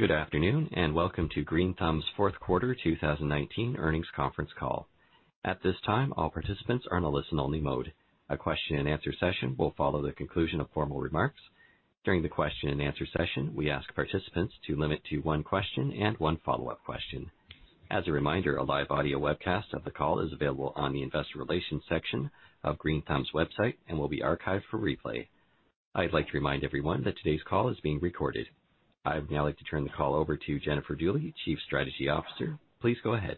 Good afternoon, and welcome to Green Thumb's Q4 2019 earnings conference call. At this time, all participants are in a listen-only mode. A question and answer session will follow the conclusion of formal remarks. During the question and answer session, we ask participants to limit to one question and one follow-up question. As a reminder, a live audio webcast of the call is available on the investor relations section of Green Thumb's website and will be archived for replay. I'd like to remind everyone that today's call is being recorded. I'd now like to turn the call over to Jennifer Dooley, Chief Strategy Officer. Please go ahead.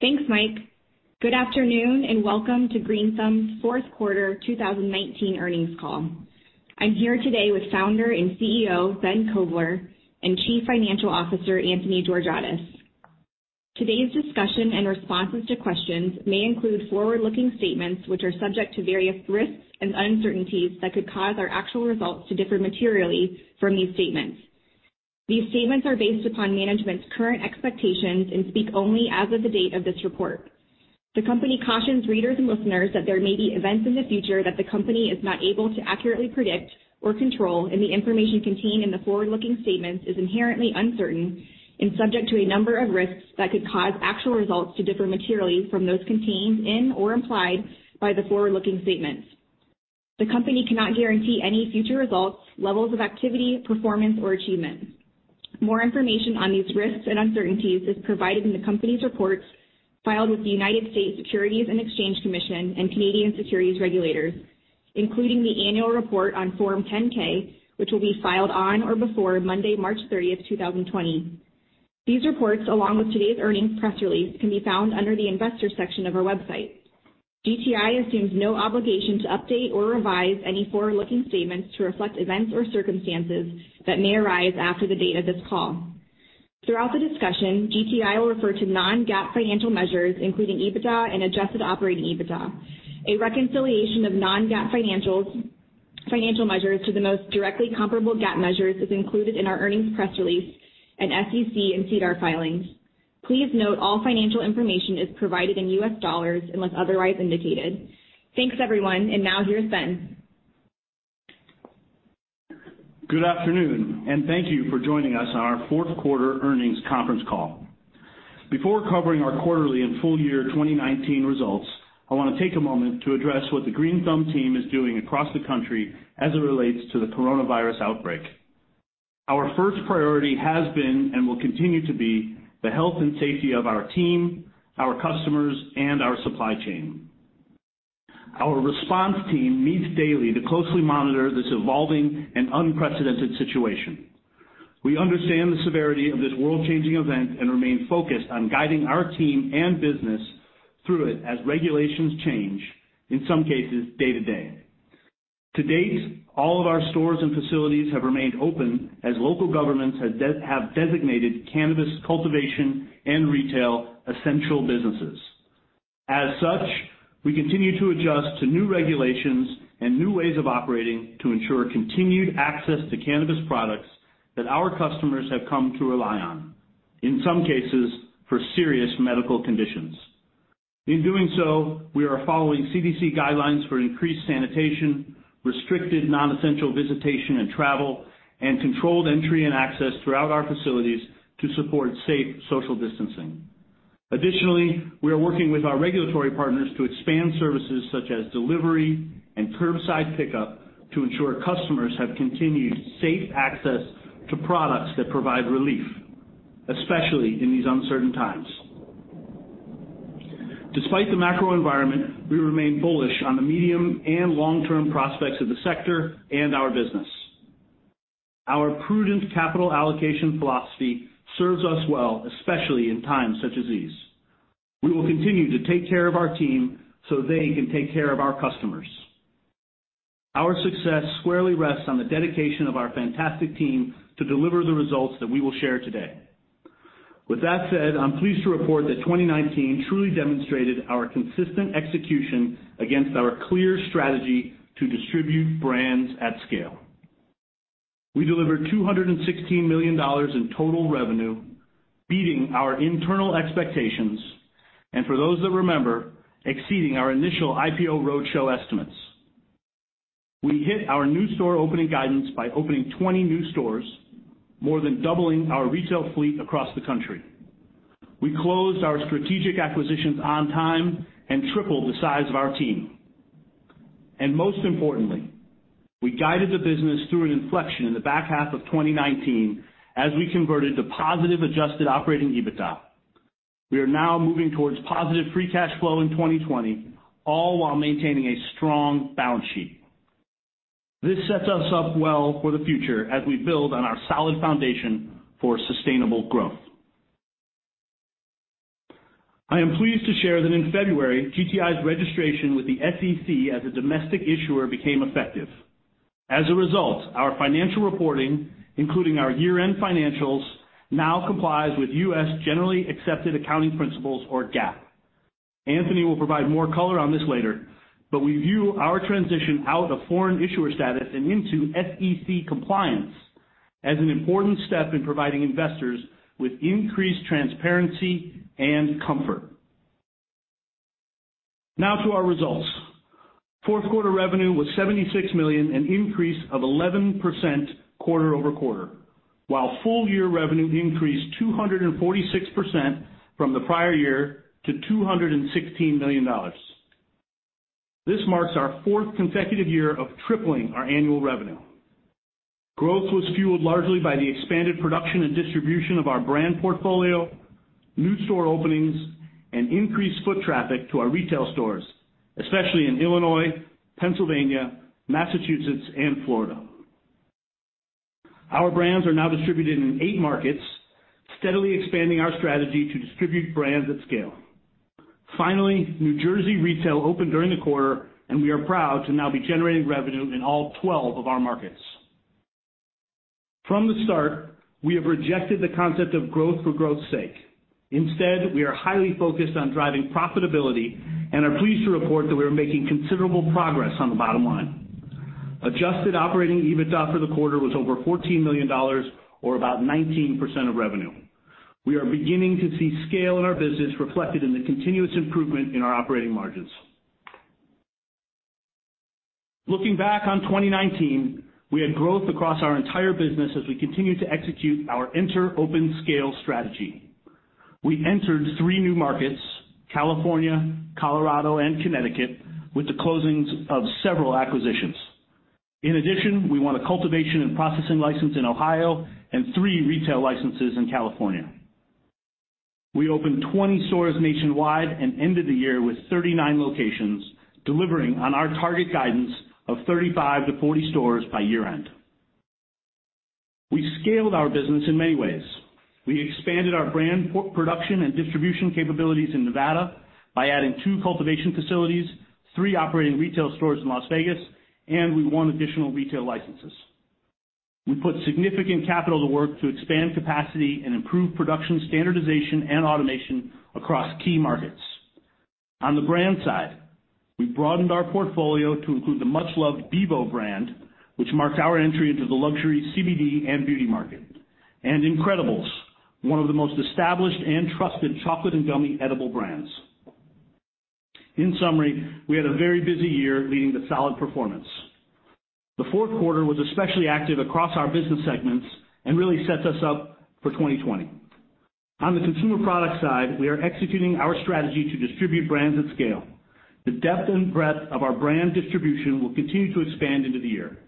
Thanks, Mike. Good afternoon, and welcome to Green Thumb's Q4 2019 earnings call. I'm here today with Founder and CEO, Ben Kovler, and Chief Financial Officer, Anthony Georgiadis. Today's discussion and responses to questions may include forward-looking statements which are subject to various risks and uncertainties that could cause our actual results to differ materially from these statements. These statements are based upon management's current expectations and speak only as of the date of this report. The company cautions readers and listeners that there may be events in the future that the company is not able to accurately predict or control, and the information contained in the forward-looking statements is inherently uncertain and subject to a number of risks that could cause actual results to differ materially from those contained in or implied by the forward-looking statements. The company cannot guarantee any future results, levels of activity, performance, or achievement. More information on these risks and uncertainties is provided in the company's reports filed with the United States Securities and Exchange Commission and Canadian securities regulators, including the annual report on Form 10-K, which will be filed on or before Monday, March 30, 2020. These reports, along with today's earnings press release, can be found under the investor section of our website. GTI assumes no obligation to update or revise any forward-looking statements to reflect events or circumstances that may arise after the date of this call. Throughout the discussion, GTI will refer to non-GAAP financial measures, including EBITDA and adjusted operating EBITDA. A reconciliation of non-GAAP financial measures to the most directly comparable GAAP measures is included in our earnings press release and SEC and SEDAR filings. Please note all financial information is provided in US dollars unless otherwise indicated. Thanks everyone, and now here's Ben. Good afternoon, and thank you for joining us on our Q4 earnings conference call. Before covering our quarterly and full year 2019 results, I want to take a moment to address what the Green Thumb team is doing across the country as it relates to the coronavirus outbreak. Our first priority has been and will continue to be the health and safety of our team, our customers, and our supply chain. Our response team meets daily to closely monitor this evolving and unprecedented situation. We understand the severity of this world-changing event and remain focused on guiding our team and business through it as regulations change, in some cases, day to day. To date, all of our stores and facilities have remained open as local governments have designated cannabis cultivation and retail essential businesses. As such, we continue to adjust to new regulations and new ways of operating to ensure continued access to cannabis products that our customers have come to rely on, in some cases, for serious medical conditions. In doing so, we are following CDC guidelines for increased sanitation, restricted non-essential visitation and travel, and controlled entry and access throughout our facilities to support safe social distancing. Additionally, we are working with our regulatory partners to expand services such as delivery and curbside pickup to ensure customers have continued safe access to products that provide relief, especially in these uncertain times. Despite the macro environment, we remain bullish on the medium and long-term prospects of the sector and our business. Our prudent capital allocation philosophy serves us well, especially in times such as these. We will continue to take care of our team so they can take care of our customers. Our success squarely rests on the dedication of our fantastic team to deliver the results that we will share today. With that said, I'm pleased to report that 2019 truly demonstrated our consistent execution against our clear strategy to distribute brands at scale. We delivered $216 million in total revenue, beating our internal expectations, and for those that remember, exceeding our initial IPO roadshow estimates. We hit our new store opening guidance by opening 20 new stores, more than doubling our retail fleet across the country. We closed our strategic acquisitions on time and tripled the size of our team. Most importantly, we guided the business through an inflection in the back half of 2019 as we converted to positive adjusted operating EBITDA. We are now moving towards positive free cash flow in 2020, all while maintaining a strong balance sheet. This sets us up well for the future as we build on our solid foundation for sustainable growth. I am pleased to share that in February, GTI's registration with the SEC as a domestic issuer became effective. As a result, our financial reporting, including our year-end financials, now complies with U.S. generally accepted accounting principles or GAAP. Anthony will provide more color on this later, but we view our transition out of foreign issuer status and into SEC compliance as an important step in providing investors with increased transparency and comfort. Now to our results. Q4 revenue was $76 million, an increase of 11% quarter-over-quarter, while full year revenue increased 246% from the prior year to $216 million. This marks our fourth consecutive year of tripling our annual revenue. Growth was fueled largely by the expanded production and distribution of our brand portfolio, new store openings, and increased foot traffic to our retail stores, especially in Illinois, Pennsylvania, Massachusetts, and Florida. Our brands are now distributed in eight markets, steadily expanding our strategy to distribute brands at scale. New Jersey retail opened during the quarter, and we are proud to now be generating revenue in all 12 of our markets. From the start, we have rejected the concept of growth for growth's sake. We are highly focused on driving profitability and are pleased to report that we are making considerable progress on the bottom line. Adjusted operating EBITDA for the quarter was over $14 million, or about 19% of revenue. We are beginning to see scale in our business reflected in the continuous improvement in our operating margins. Looking back on 2019, we had growth across our entire business as we continued to execute our enter, open, scale strategy. We entered 3 new markets, California, Colorado, and Connecticut, with the closings of several acquisitions. In addition, we won a cultivation and processing license in Ohio and three retail licenses in California. We opened 20 stores nationwide and ended the year with 39 locations, delivering on our target guidance of 35-40 stores by year-end. We scaled our business in many ways. We expanded our brand production and distribution capabilities in Nevada by adding two cultivation facilities, three operating retail stores in Las Vegas, and we won additional retail licenses. We put significant capital to work to expand capacity and improve production standardization and automation across key markets. On the brand side, we broadened our portfolio to include the much-loved Beboe brand, which marks our entry into the luxury CBD and beauty market, and incredibles, one of the most established and trusted chocolate and gummy edible brands. In summary, we had a very busy year leading to solid performance. The Q4 was especially active across our business segments and really sets us up for 2020. On the consumer products side, we are executing our strategy to distribute brands at scale. The depth and breadth of our brand distribution will continue to expand into the year.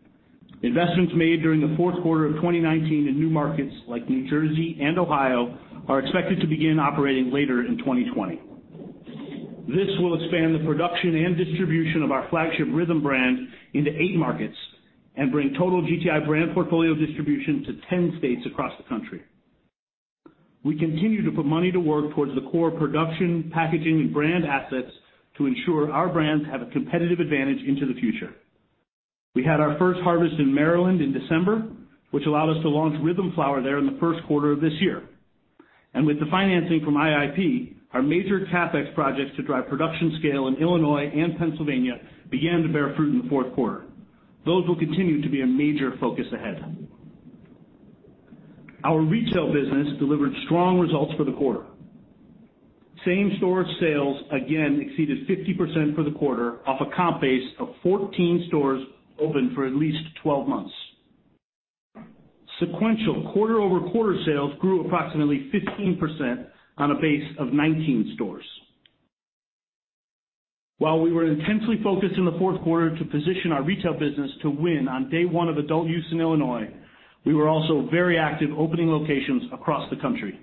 Investments made during the Q4 of 2019 in new markets like New Jersey and Ohio are expected to begin operating later in 2020. This will expand the production and distribution of our flagship RYTHM brand into eight markets and bring total GTI brand portfolio distribution to 10 states across the country. We continue to put money to work towards the core production, packaging, and brand assets to ensure our brands have a competitive advantage into the future. We had our first harvest in Maryland in December, which allowed us to launch RYTHM Flower there in the Q1 of this year. With the financing from IIP, our major CapEx projects to drive production scale in Illinois and Pennsylvania began to bear fruit in the Q4. Those will continue to be a major focus ahead. Our retail business delivered strong results for the quarter. Same-store sales again exceeded 50% for the quarter off a comp base of 14 stores open for at least 12 months. Sequential quarter-over-quarter sales grew approximately 15% on a base of 19 stores. While we were intensely focused in the Q4 to position our retail business to win on day one of adult use in Illinois, we were also very active opening locations across the country.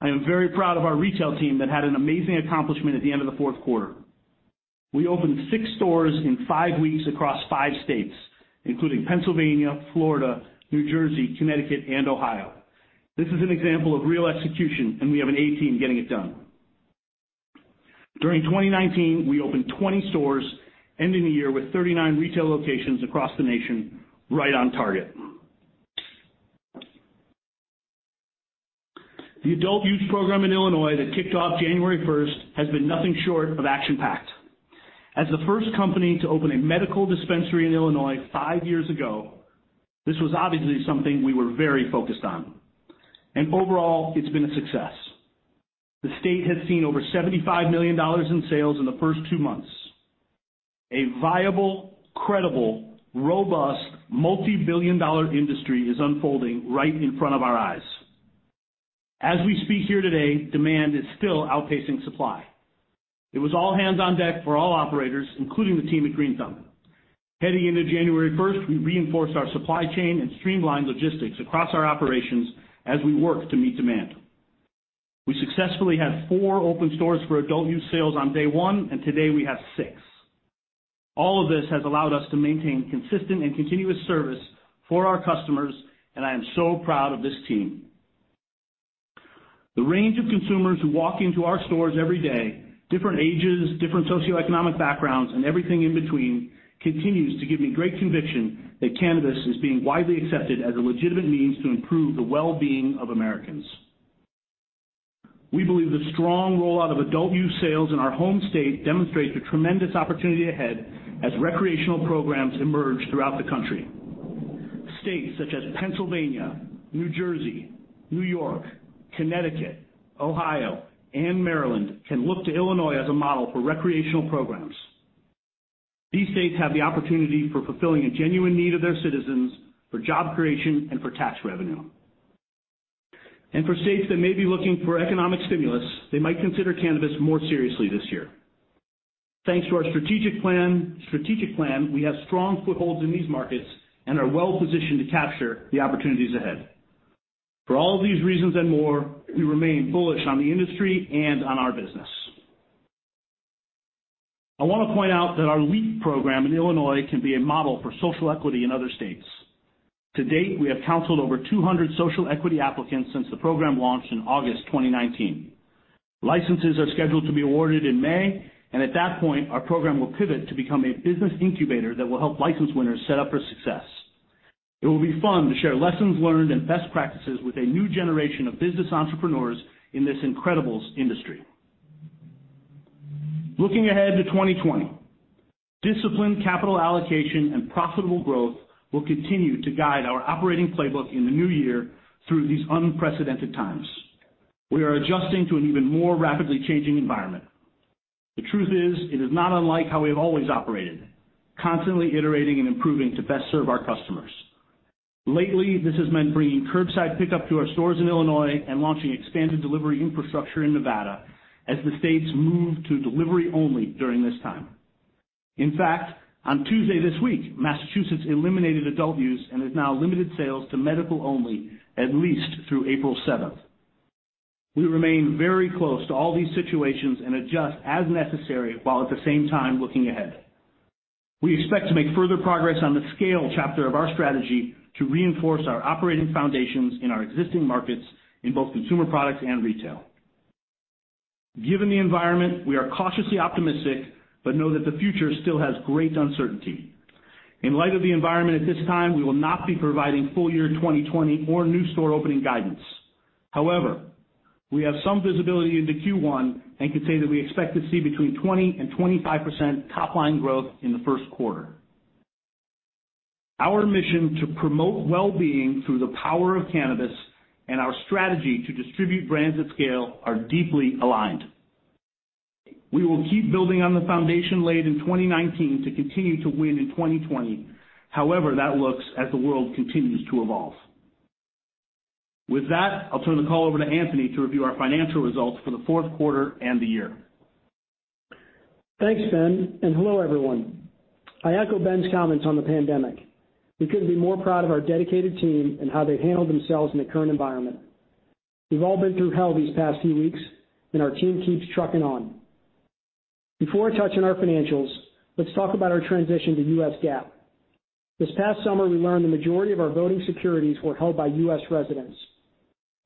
I am very proud of our retail team that had an amazing accomplishment at the end of the Q4. We opened six stores in five weeks across five states, including Pennsylvania, Florida, New Jersey, Connecticut, and Ohio. This is an example of real execution, and we have an A-team getting it done. During 2019, we opened 20 stores, ending the year with 39 retail locations across the nation, right on target. The adult use program in Illinois that kicked off January 1st has been nothing short of action-packed. As the first company to open a medical dispensary in Illinois five years ago, this was obviously something we were very focused on. Overall, it's been a success. The state has seen over $75 million in sales in the first two months. A viable, credible, robust, multi-billion-dollar industry is unfolding right in front of our eyes. As we speak here today, demand is still outpacing supply. It was all hands on deck for all operators, including the team at Green Thumb. Heading into January 1st, we reinforced our supply chain and streamlined logistics across our operations as we worked to meet demand. We successfully had four open stores for adult use sales on day one, and today we have six. All of this has allowed us to maintain consistent and continuous service for our customers. I am so proud of this team. The range of consumers who walk into our stores every day, different ages, different socioeconomic backgrounds, and everything in between, continues to give me great conviction that cannabis is being widely accepted as a legitimate means to improve the well-being of Americans. We believe the strong rollout of adult use sales in our home state demonstrates the tremendous opportunity ahead as recreational programs emerge throughout the country. States such as Pennsylvania, New Jersey, New York, Connecticut, Ohio, and Maryland can look to Illinois as a model for recreational programs. These states have the opportunity for fulfilling a genuine need of their citizens, for job creation, and for tax revenue. For states that may be looking for economic stimulus, they might consider cannabis more seriously this year. Thanks to our strategic plan, we have strong footholds in these markets and are well-positioned to capture the opportunities ahead. For all these reasons and more, we remain bullish on the industry and on our business. I want to point out that our LEAP program in Illinois can be a model for social equity in other states. To date, we have counseled over 200 social equity applicants since the program launched in August 2019. Licenses are scheduled to be awarded in May, and at that point, our program will pivot to become a business incubator that will help license winners set up for success. It will be fun to share lessons learned and best practices with a new generation of business entrepreneurs in this incredible industry. Looking ahead to 2020, disciplined capital allocation and profitable growth will continue to guide our operating playbook in the new year through these unprecedented times. We are adjusting to an even more rapidly changing environment. The truth is, it is not unlike how we have always operated, constantly iterating and improving to best serve our customers. Lately, this has meant bringing curbside pickup to our stores in Illinois and launching expanded delivery infrastructure in Nevada as the states move to delivery only during this time. In fact, on Tuesday this week, Massachusetts eliminated adult use and has now limited sales to medical only at least through April 7th. We remain very close to all these situations and adjust as necessary, while at the same time looking ahead. We expect to make further progress on the scale chapter of our strategy to reinforce our operating foundations in our existing markets in both consumer products and retail. Given the environment, we are cautiously optimistic, but know that the future still has great uncertainty. In light of the environment at this time, we will not be providing full-year 2020 or new store opening guidance. However, we have some visibility into Q1 and can say that we expect to see between 20% and 25% top-line growth in the Q1. Our mission to promote well-being through the power of cannabis and our strategy to distribute brands at scale are deeply aligned. We will keep building on the foundation laid in 2019 to continue to win in 2020. However, that looks as the world continues to evolve. With that, I'll turn the call over to Anthony to review our financial results for the Q4 and the year. Thanks, Ben. Hello, everyone. I echo Ben's comments on the pandemic. We couldn't be more proud of our dedicated team and how they handled themselves in the current environment. We've all been through hell these past few weeks, and our team keeps trucking on. Before I touch on our financials, let's talk about our transition to U.S. GAAP. This past summer, we learned the majority of our voting securities were held by U.S. residents.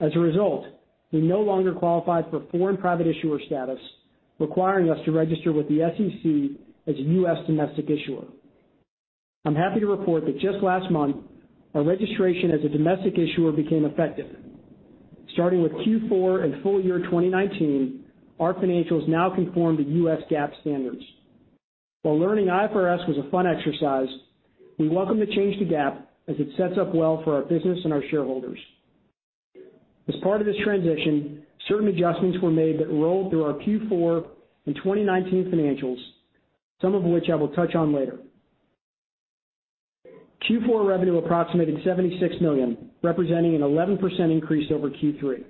As a result, we no longer qualified for foreign private issuer status, requiring us to register with the SEC as a U.S. domestic issuer. I'm happy to report that just last month, our registration as a domestic issuer became effective. Starting with Q4 and full year 2019, our financials now conform to U.S. GAAP standards. While learning IFRS was a fun exercise, we welcome the change to GAAP as it sets up well for our business and our shareholders. As part of this transition, certain adjustments were made that rolled through our Q4 and 2019 financials, some of which I will touch on later. Q4 revenue approximated $76 million, representing an 11% increase over Q3.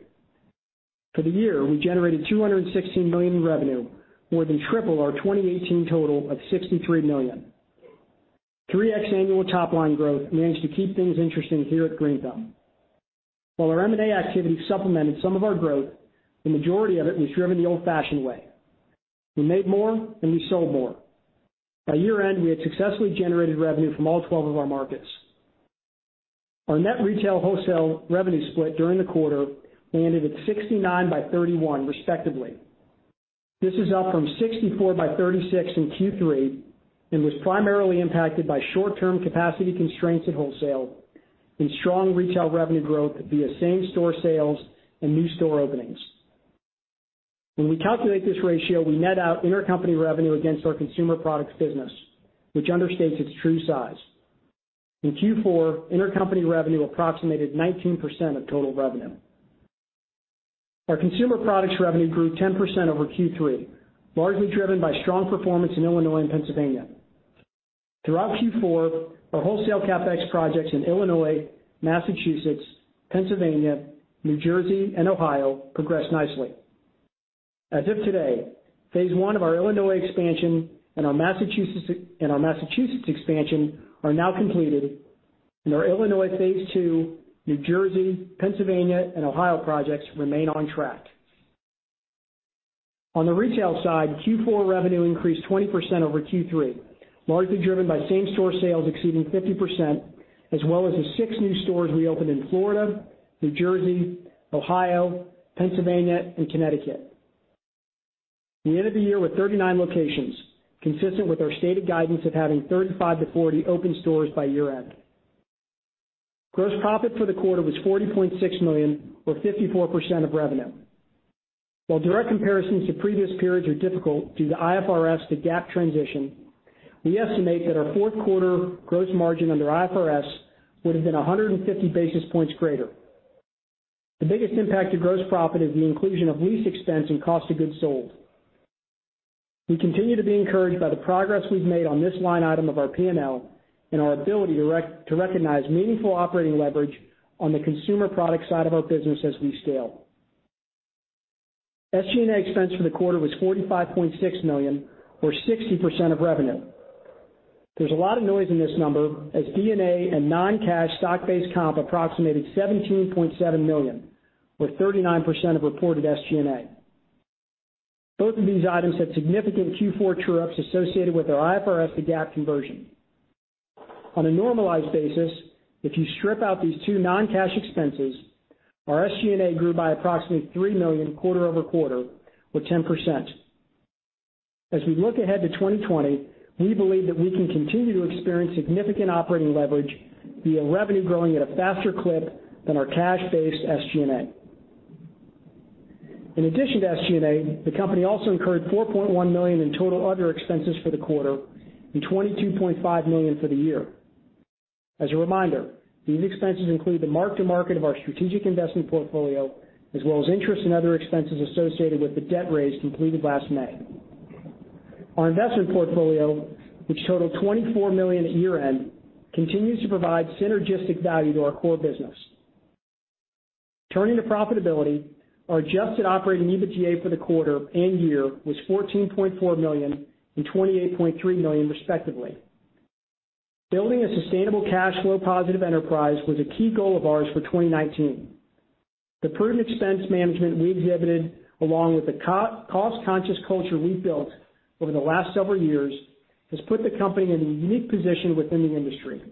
For the year, we generated $216 million in revenue, more than triple our 2018 total of $63 million. 3x annual top-line growth managed to keep things interesting here at Green Thumb. While our M&A activity supplemented some of our growth, the majority of it was driven the old-fashioned way. We made more, and we sold more. By year-end, we had successfully generated revenue from all 12 of our markets. Our net retail wholesale revenue split during the quarter landed at 69 by 31, respectively. This is up from 64 by 36 in Q3 and was primarily impacted by short-term capacity constraints at wholesale and strong retail revenue growth via same-store sales and new store openings. When we calculate this ratio, we net out intercompany revenue against our consumer products business, which understates its true size. In Q4, intercompany revenue approximated 19% of total revenue. Our consumer products revenue grew 10% over Q3, largely driven by strong performance in Illinois and Pennsylvania. Throughout Q4, our wholesale CapEx projects in Illinois, Massachusetts, Pennsylvania, New Jersey, and Ohio progressed nicely. As of today, phase I of our Illinois expansion and our Massachusetts expansion are now completed, and our Illinois phase II, New Jersey, Pennsylvania, and Ohio projects remain on track. On the retail side, Q4 revenue increased 20% over Q3, largely driven by same-store sales exceeding 50%, as well as the six new stores we opened in Florida, New Jersey, Ohio, Pennsylvania, and Connecticut. We end the year with 39 locations, consistent with our stated guidance of having 35-40 open stores by year-end. Gross profit for the quarter was $40.6 million, or 54% of revenue. While direct comparisons to previous periods are difficult due to IFRS to GAAP transition, we estimate that our Q4 gross margin under IFRS would have been 150 basis points greater. The biggest impact to gross profit is the inclusion of lease expense and cost of goods sold. We continue to be encouraged by the progress we've made on this line item of our P&L and our ability to recognize meaningful operating leverage on the consumer product side of our business as we scale. SG&A expense for the quarter was $45.6 million, or 60% of revenue. There's a lot of noise in this number, as D&A and non-cash stock-based comp approximated $17.7 million, or 39% of reported SG&A. Both of these items had significant Q4 true-ups associated with our IFRS to GAAP conversion. On a normalized basis, if you strip out these two non-cash expenses, our SG&A grew by approximately $3 million quarter-over-quarter, or 10%. We look ahead to 2020, we believe that we can continue to experience significant operating leverage via revenue growing at a faster clip than our cash base SG&A. In addition to SG&A, the company also incurred $4.1 million in total other expenses for the quarter and $22.5 million for the year. As a reminder, these expenses include the mark-to-market of our strategic investment portfolio, as well as interest and other expenses associated with the debt raise completed last May. Our investment portfolio, which totaled $24 million at year-end, continues to provide synergistic value to our core business. Turning to profitability, our adjusted operating EBITDA for the quarter and year was $14.4 million and $28.3 million, respectively. Building a sustainable cash flow positive enterprise was a key goal of ours for 2019. The prudent expense management we exhibited, along with the cost-conscious culture we've built over the last several years, has put the company in a unique position within the industry.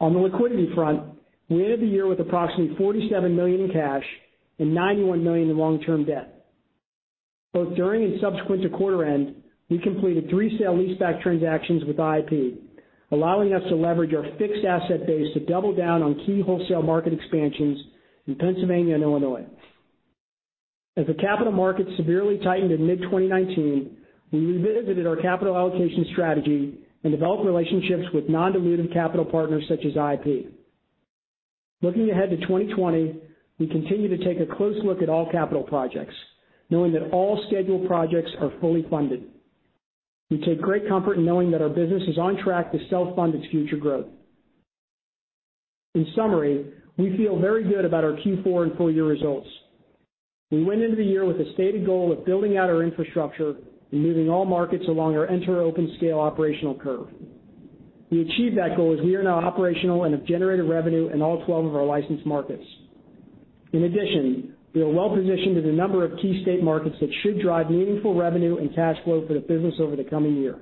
On the liquidity front, we ended the year with approximately $47 million in cash and $91 million in long-term debt. Both during and subsequent to quarter end, we completed three sale leaseback transactions with IIP, allowing us to leverage our fixed asset base to double down on key wholesale market expansions in Pennsylvania and Illinois. As the capital markets severely tightened in mid-2019, we revisited our capital allocation strategy and developed relationships with non-dilutive capital partners such as IIP. Looking ahead to 2020, we continue to take a close look at all capital projects, knowing that all scheduled projects are fully funded. We take great comfort in knowing that our business is on track to self-fund its future growth. In summary, we feel very good about our Q4 and full-year results. We went into the year with a stated goal of building out our infrastructure and moving all markets along our enter open scale operational curve. We achieved that goal, as we are now operational and have generated revenue in all 12 of our licensed markets. In addition, we are well-positioned in a number of key state markets that should drive meaningful revenue and cash flow for the business over the coming year.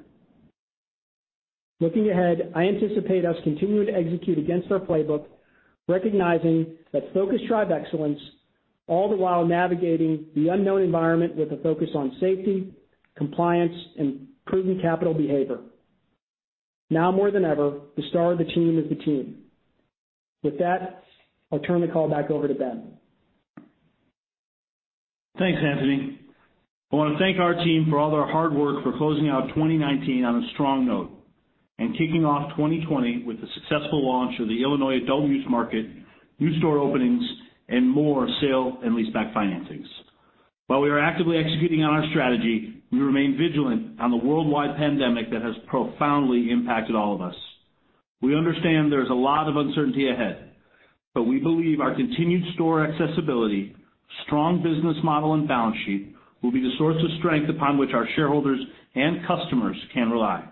Looking ahead, I anticipate us continuing to execute against our playbook, recognizing that focus drives excellence, all the while navigating the unknown environment with a focus on safety, compliance, and prudent capital behavior. Now more than ever, the star of the team is the team. With that, I'll turn the call back over to Ben. Thanks, Anthony. I want to thank our team for all their hard work for closing out 2019 on a strong note and kicking off 2020 with the successful launch of the Illinois adult-use market, new store openings, and more sale and leaseback financings. While we are actively executing on our strategy, we remain vigilant on the worldwide pandemic that has profoundly impacted all of us. We understand there's a lot of uncertainty ahead, but we believe our continued store accessibility, strong business model, and balance sheet will be the source of strength upon which our shareholders and customers can rely.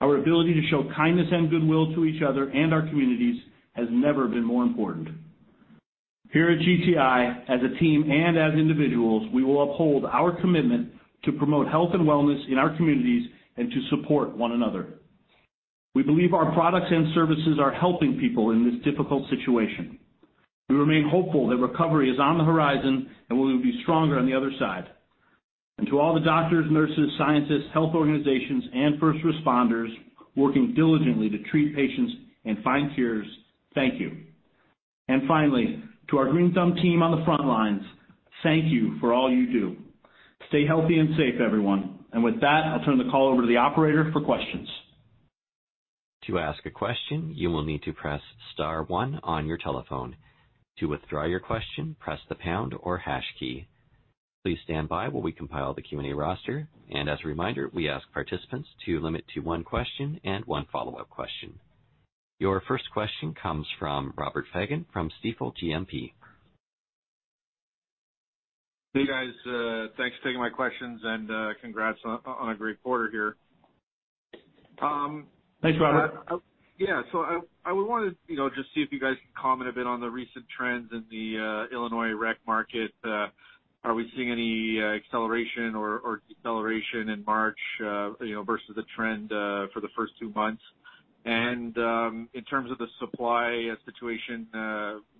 Our ability to show kindness and goodwill to each other and our communities has never been more important. Here at GTI, as a team and as individuals, we will uphold our commitment to promote health and wellness in our communities and to support one another. We believe our products and services are helping people in this difficult situation. We remain hopeful that recovery is on the horizon, and we will be stronger on the other side. To all the doctors, nurses, scientists, health organizations, and first responders working diligently to treat patients and find cures, thank you. Finally, to our Green Thumb team on the front lines, thank you for all you do. Stay healthy and safe, everyone. With that, I'll turn the call over to the operator for questions. To ask a question, you will need to press star one on your telephone. To withdraw your question, press the pound or hash key. Please stand by while we compile the Q&A roster. As a reminder, we ask participants to limit to one question and one follow-up question. Your first question comes from Robert Fagan from Stifel GMP. Hey, guys. Thanks for taking my questions. Congrats on a great quarter here. Thanks, Robert. Yeah. I wanted to just see if you guys can comment a bit on the recent trends in the Illinois rec market. Are we seeing any acceleration or deceleration in March versus the trend for the first two months? In terms of the supply situation,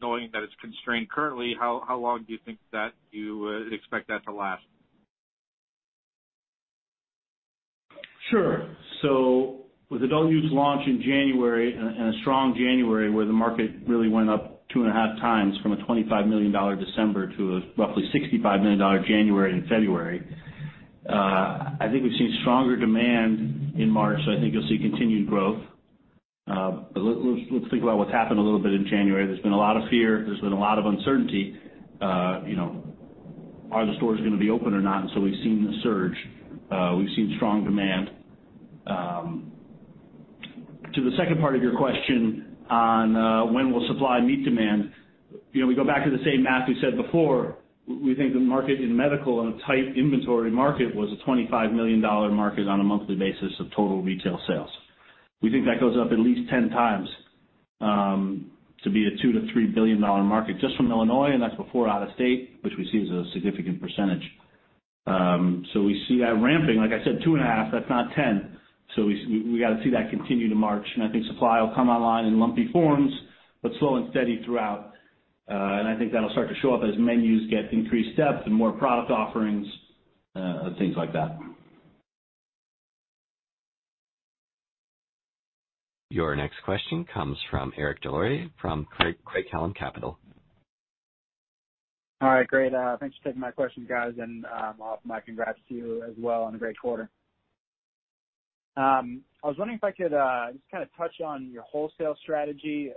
knowing that it's constrained currently, how long do you think that you expect that to last? Sure. With adult use launch in January and a strong January where the market really went up 2.5x from a $25 million December to a roughly $65 million January and February, I think we've seen stronger demand in March. I think you'll see continued growth. Let's think about what's happened a little bit in January. There's been a lot of fear. There's been a lot of uncertainty. Are the stores going to be open or not? We've seen the surge. We've seen strong demand. To the second part of your question on when will supply meet demand, we go back to the same math we said before. We think the market in medical and a tight inventory market was a $25 million market on a monthly basis of total retail sales. We think that goes up at least 10 times, to be a $2 billion-$3 billion market just from Illinois, that's before out-of-state, which we see as a significant percentage. We see that ramping, like I said, 2.5, that's not 10. We got to see that continue to March. I think supply will come online in lumpy forms, but slow and steady throughout. I think that'll start to show up as menus get increased depth and more product offerings, things like that. Your next question comes from Eric Des Lauriers from Craig-Hallum Capital Group. All right, great. Thanks for taking my questions, guys, and I'll offer my congrats to you as well on a great quarter. I was wondering if I could just kind of touch on your wholesale strategy,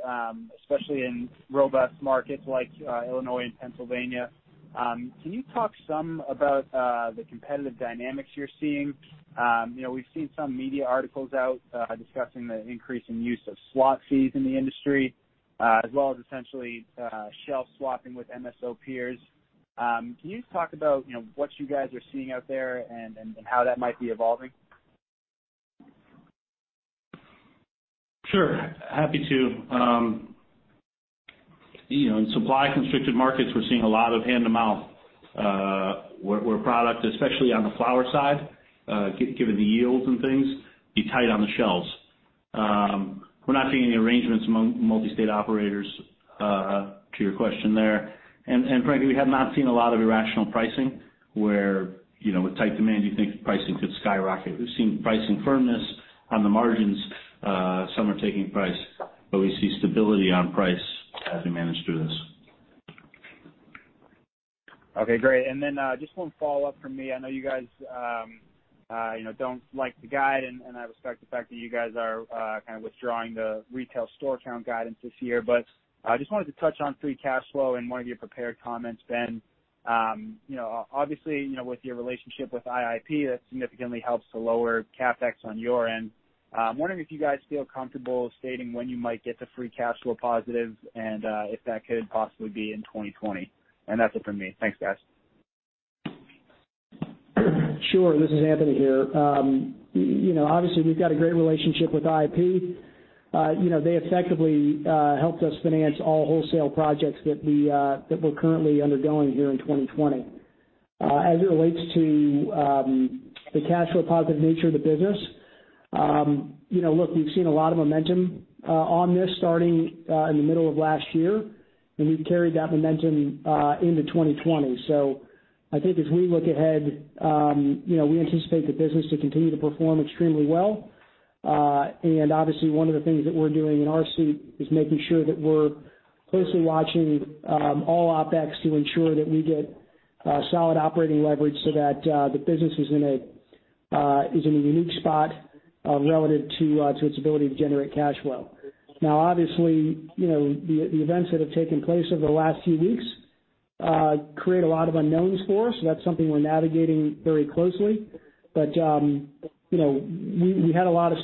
especially in robust markets like Illinois and Pennsylvania. Can you talk some about the competitive dynamics you're seeing? We've seen some media articles out discussing the increasing use of slot fees in the industry, as well as essentially shelf-swapping with MSO peers. Can you talk about what you guys are seeing out there and how that might be evolving? Sure, happy to. In supply-constricted markets, we're seeing a lot of hand-to-mouth, where product, especially on the flower side, given the yields and things, be tight on the shelves. We're not seeing any arrangements among multi-state operators to your question there. Frankly, we have not seen a lot of irrational pricing where, with tight demand, you think pricing could skyrocket. We've seen pricing firmness on the margins. Some are taking price, but we see stability on price as we manage through this. Okay, great. Just one follow-up from me. I know you guys don't like to guide. I respect the fact that you guys are kind of withdrawing the retail store count guidance this year. I just wanted to touch on free cash flow in one of your prepared comments, Ben. Obviously, with your relationship with IIP, that significantly helps to lower CapEx on your end. I'm wondering if you guys feel comfortable stating when you might get to free cash flow positive and if that could possibly be in 2020. That's it for me. Thanks, guys. Sure. This is Anthony here. Obviously, we've got a great relationship with IIP. They effectively helped us finance all wholesale projects that we're currently undergoing here in 2020. As it relates to the cash flow positive nature of the business, look, we've seen a lot of momentum on this starting in the middle of last year, and we've carried that momentum into 2020. I think as we look ahead, we anticipate the business to continue to perform extremely well. Obviously, one of the things that we're doing in our suite is making sure that we're closely watching all OpEx to ensure that we get solid operating leverage so that the business is in a unique spot relative to its ability to generate cash flow. Obviously, the events that have taken place over the last few weeks create a lot of unknowns for us. That's something we're navigating very closely. We had a lot of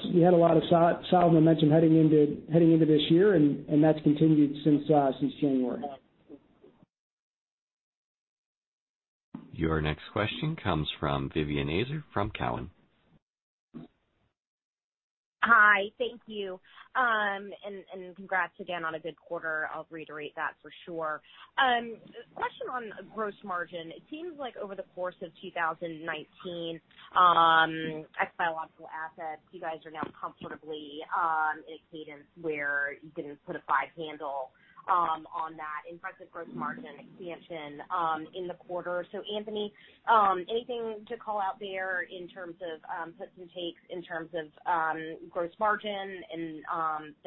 solid momentum heading into this year, and that's continued since January. Your next question comes from Vivien Azer from Cowen. Hi, thank you. Congrats again on a good quarter. I'll reiterate that for sure. Question on gross margin. It seems like over the course of 2019, ex biological assets, you guys are now comfortably in a cadence where you can put a five handle on that. In fact, the gross margin expansion in the quarter. Anthony, anything to call out there in terms of puts and takes in terms of gross margin?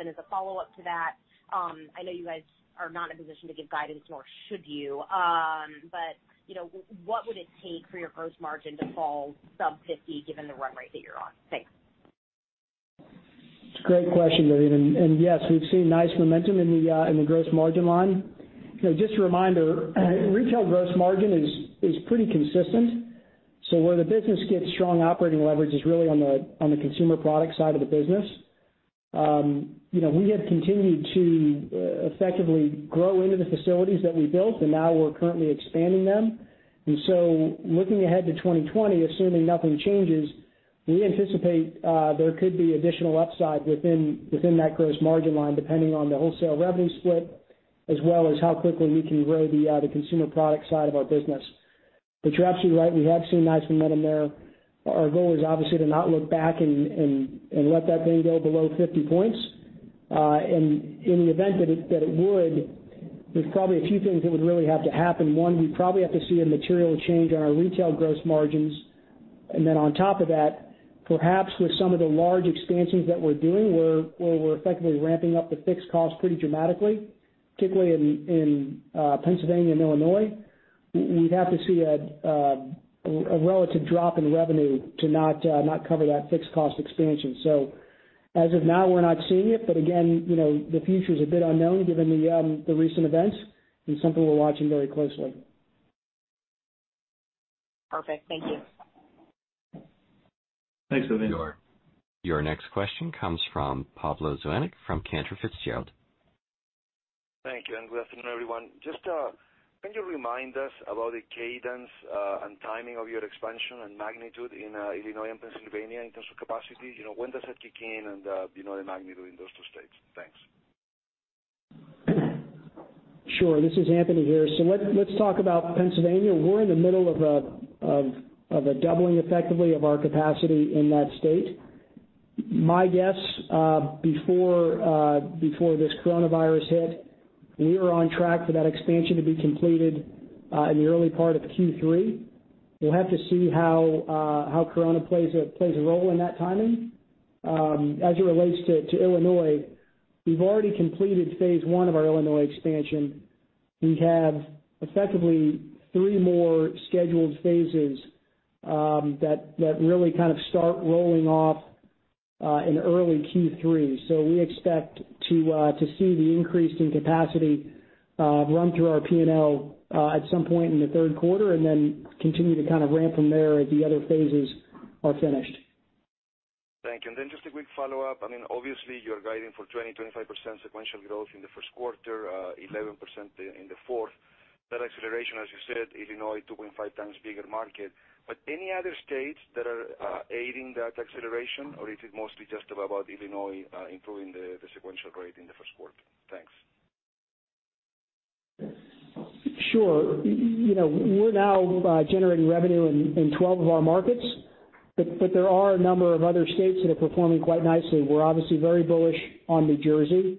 As a follow-up to that, I know you guys are not in a position to give guidance, nor should you. What would it take for your gross margin to fall sub 50 given the run rate that you're on? Thanks. It's a great question, Vivien. Yes, we've seen nice momentum in the gross margin line. Just a reminder, retail gross margin is pretty consistent. Where the business gets strong operating leverage is really on the consumer product side of the business. We have continued to effectively grow into the facilities that we built, and now we're currently expanding them. Looking ahead to 2020, assuming nothing changes, we anticipate there could be additional upside within that gross margin line, depending on the wholesale revenue split, as well as how quickly we can grow the consumer product side of our business. You're absolutely right. We have seen nice momentum there. Our goal is obviously to not look back and let that thing go below 50 points. There's probably a few things that would really have to happen. One, we'd probably have to see a material change in our retail gross margins. On top of that, perhaps with some of the large expansions that we're doing, where we're effectively ramping up the fixed cost pretty dramatically, particularly in Pennsylvania and Illinois, we'd have to see a relative drop in revenue to not cover that fixed cost expansion. As of now, we're not seeing it. Again, the future's a bit unknown given the recent events. It's something we're watching very closely. Perfect. Thank you. Thanks, Vivien. Your next question comes from Pablo Zuanic from Cantor Fitzgerald. Thank you, and good afternoon, everyone. Just, can you remind us about the cadence and timing of your expansion and magnitude in Illinois and Pennsylvania in terms of capacity? When does that kick in and the magnitude in those two states? Thanks. Sure. This is Anthony Georgiadis. Let's talk about Pennsylvania. We're in the middle of a doubling, effectively, of our capacity in that state. My guess, before this coronavirus hit, we were on track for that expansion to be completed in the early part of Q3. We'll have to see how COVID plays a role in that timing. As it relates to Illinois, we've already completed phase I of our Illinois expansion. We have effectively three more scheduled phases that really kind of start rolling off in early Q3. We expect to see the increase in capacity run through our P&L at some point in the Q3 and then continue to kind of ramp from there as the other phases are finished. Thank you. Just a quick follow-up. Obviously, you're guiding for 20%-25% sequential growth in the Q1, 11% in the fourth. That acceleration, as you said, Illinois, 2.5Bx bigger market. Any other states that are aiding that acceleration, or is it mostly just about Illinois improving the sequential rate in the Q1? Thanks. Sure. We're now generating revenue in 12 of our markets. There are a number of other states that are performing quite nicely. We're obviously very bullish on New Jersey.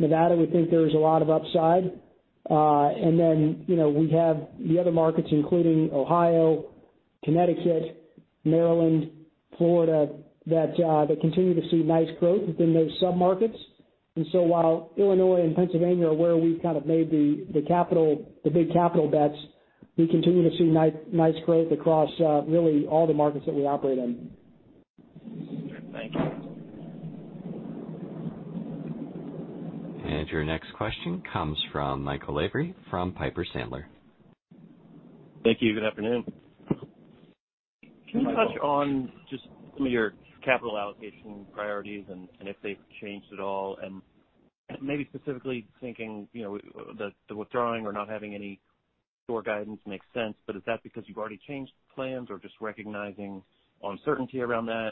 Nevada, we think there's a lot of upside. We have the other markets, including Ohio, Connecticut, Maryland, Florida, that continue to see nice growth within those sub-markets. While Illinois and Pennsylvania are where we've kind of made the big capital bets, we continue to see nice growth across really all the markets that we operate in. Sure. Thank you. Your next question comes from Michael Lavery from Piper Sandler. Thank you. Good afternoon. Hi, Michael. Can you touch on just some of your capital allocation priorities and if they've changed at all and maybe specifically thinking the withdrawing or not having any store guidance makes sense, but is that because you've already changed plans or just recognizing uncertainty around that?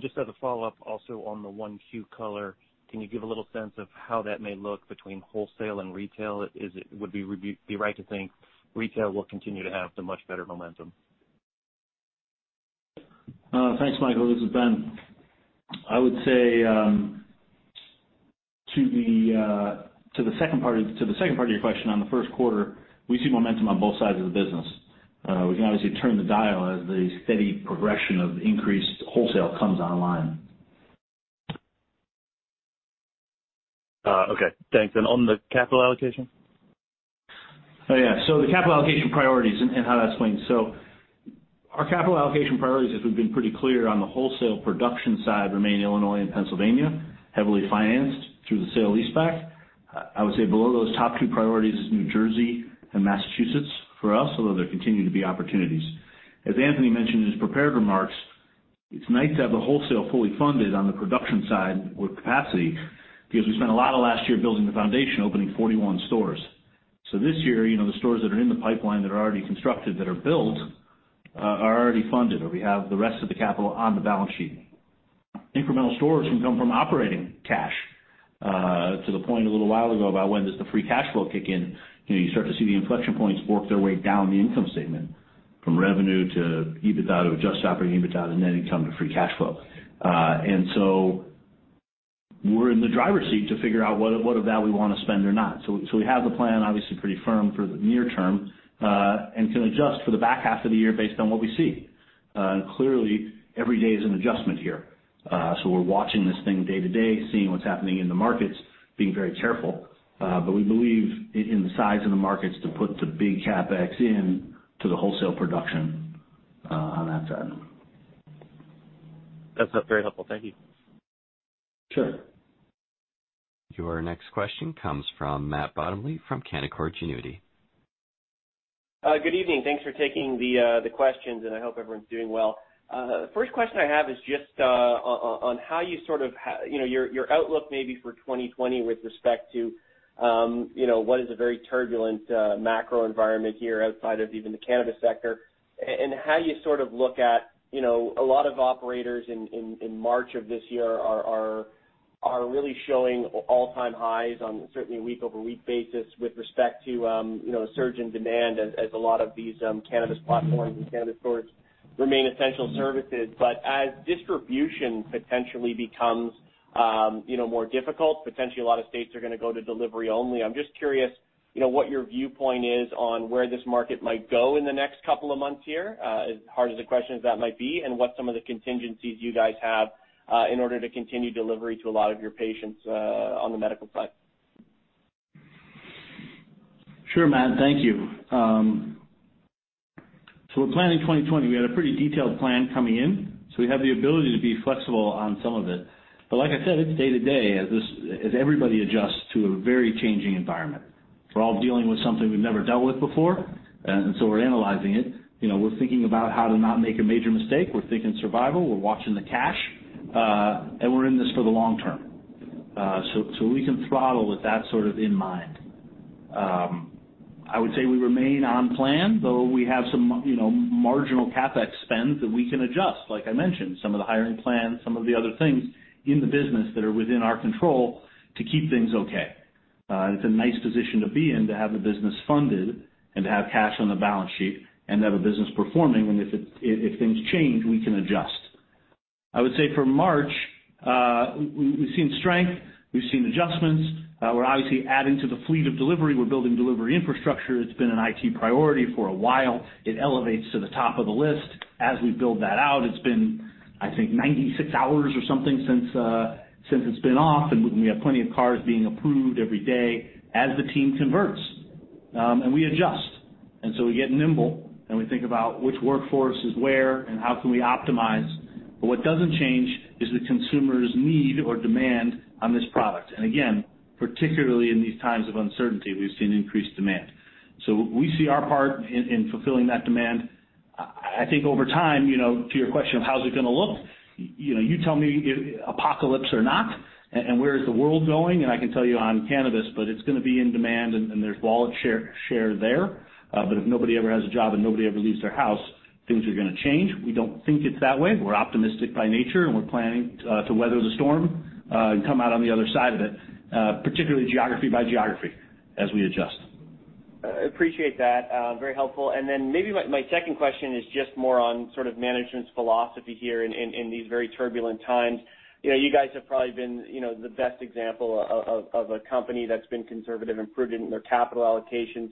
Just as a follow-up, also on the Q1 color, can you give a little sense of how that may look between wholesale and retail? Would we be right to think retail will continue to have the much better momentum? Thanks, Michael. This is Ben. I would say to the second part of your question, on the Q1, we see momentum on both sides of the business. We can obviously turn the dial as the steady progression of increased wholesale comes online. Okay, thanks. On the capital allocation? Oh, yeah. The capital allocation priorities and how that's going. Our capital allocation priorities, as we've been pretty clear on the wholesale production side, remain Illinois and Pennsylvania, heavily financed through the sale-leaseback. I would say below those top two priorities is New Jersey and Massachusetts for us, although there continue to be opportunities. As Anthony mentioned in his prepared remarks, it's nice to have the wholesale fully funded on the production side with capacity because we spent a lot of last year building the foundation, opening 41 stores. This year, the stores that are in the pipeline that are already constructed, that are built, are already funded, or we have the rest of the capital on the balance sheet. Incremental stores can come from operating cash. To the point a little while ago about when does the free cash flow kick in, you start to see the inflection points work their way down the income statement from revenue to EBITDA to adjusted operating EBITDA, and then income to free cash flow. We're in the driver's seat to figure out what of that we want to spend or not. We have the plan obviously pretty firm for the near term and can adjust for the back half of the year based on what we see. Clearly, every day is an adjustment here. We're watching this thing day to day, seeing what's happening in the markets, being very careful. We believe in the size of the markets to put the big CapEx in to the wholesale production on that side. That's very helpful. Thank you. Sure. Your next question comes from Matt Bottomley from Canaccord Genuity. Good evening. Thanks for taking the questions, and I hope everyone's doing well. First question I have is just on how you sort of have your outlook maybe for 2020 with respect to what is a very turbulent macro environment here outside of even the cannabis sector and how you sort of look at a lot of operators in March of this year are really showing all-time highs on certainly a week-over-week basis with respect to a surge in demand as a lot of these cannabis platforms and cannabis stores remain essential services. As distribution potentially becomes more difficult, potentially a lot of states are going to go to delivery only. I'm just curious, what your viewpoint is on where this market might go in the next couple of months here, as hard as the question as that might be, and what some of the contingencies you guys have in order to continue delivery to a lot of your patients on the medical side? Sure, Matt. Thank you. We're planning 2020. We had a pretty detailed plan coming in, so we have the ability to be flexible on some of it. Like I said, it's day to day as everybody adjusts to a very changing environment. We're all dealing with something we've never dealt with before, and so we're analyzing it. We're thinking about how to not make a major mistake. We're thinking survival, we're watching the cash, and we're in this for the long term. We can throttle with that sort of in mind. I would say we remain on plan, though we have some marginal CapEx spends that we can adjust. Like I mentioned, some of the hiring plans, some of the other things in the business that are within our control to keep things okay. It's a nice position to be in to have the business funded and to have cash on the balance sheet and have a business performing, if things change, we can adjust. I would say for March, we've seen strength, we've seen adjustments. We're obviously adding to the fleet of delivery. We're building delivery infrastructure. It's been an IT priority for a while. It elevates to the top of the list as we build that out. It's been, I think, 96 hours or something since it's been off, we have plenty of cars being approved every day as the team converts. We adjust. We get nimble and we think about which workforce is where and how can we optimize. What doesn't change is the consumer's need or demand on this product. Again, particularly in these times of uncertainty, we've seen increased demand. We see our part in fulfilling that demand. I think over time, to your question of how's it going to look, you tell me, apocalypse or not, and where is the world going, and I can tell you on cannabis, but it's going to be in demand and there's wallet share there. If nobody ever has a job and nobody ever leaves their house, things are going to change. We don't think it's that way. We're optimistic by nature, and we're planning to weather the storm, and come out on the other side of it, particularly geography by geography as we adjust. Appreciate that. Very helpful. Maybe my second question is just more on sort of management's philosophy here in these very turbulent times. You guys have probably been the best example of a company that's been conservative and prudent in their capital allocation.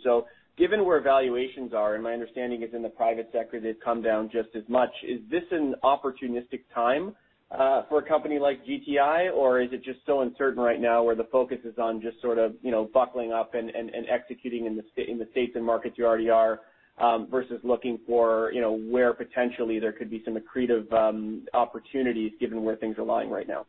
Given where valuations are, and my understanding is in the private sector, they've come down just as much. Is this an opportunistic time for a company like GTI, or is it just so uncertain right now where the focus is on just sort of buckling up and executing in the states and markets you already are, versus looking for where potentially there could be some accretive opportunities given where things are lying right now?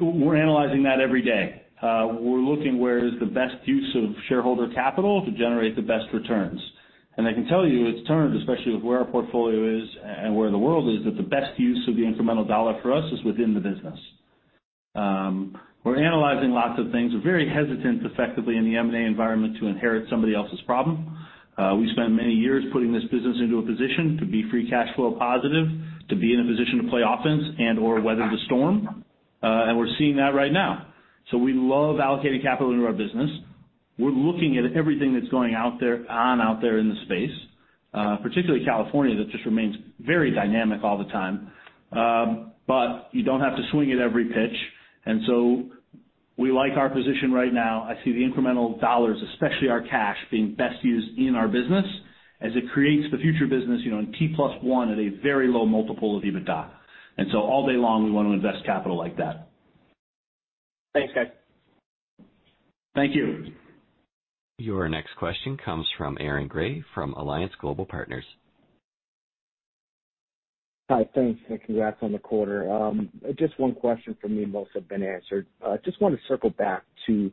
We're analyzing that every day. We're looking where is the best use of shareholder capital to generate the best returns. I can tell you it's turned, especially with where our portfolio is and where the world is, that the best use of the incremental dollar for us is within the business. We're analyzing lots of things. We're very hesitant effectively in the M&A environment to inherit somebody else's problem. We spent many years putting this business into a position to be free cash flow positive, to be in a position to play offense and/or weather the storm. We're seeing that right now. We love allocating capital into our business. We're looking at everything that's going on out there in the space, particularly California, that just remains very dynamic all the time. You don't have to swing at every pitch. We like our position right now. I see the incremental dollars, especially our cash being best used in our business as it creates the future business, in T plus one at a very low multiple of EBITDA. All day long, we want to invest capital like that. Thanks, guys. Thank you. Your next question comes from Aaron Grey from Alliance Global Partners. Hi. Thanks, congrats on the quarter. Just one question from me. Most have been answered. Just want to circle back to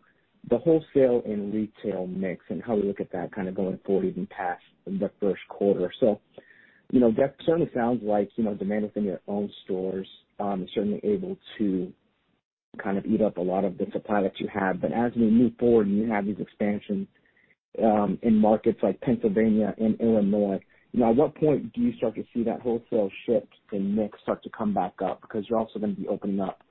the wholesale and retail mix and how we look at that kind of going forward even past the Q1. That certainly sounds like, demand is in your own stores, certainly able to kind of eat up a lot of the supply that you have. As we move forward and you have these expansions, in markets like Pennsylvania and Illinois, at what point do you start to see that wholesale shift and mix start to come back up? You're also going to be opening up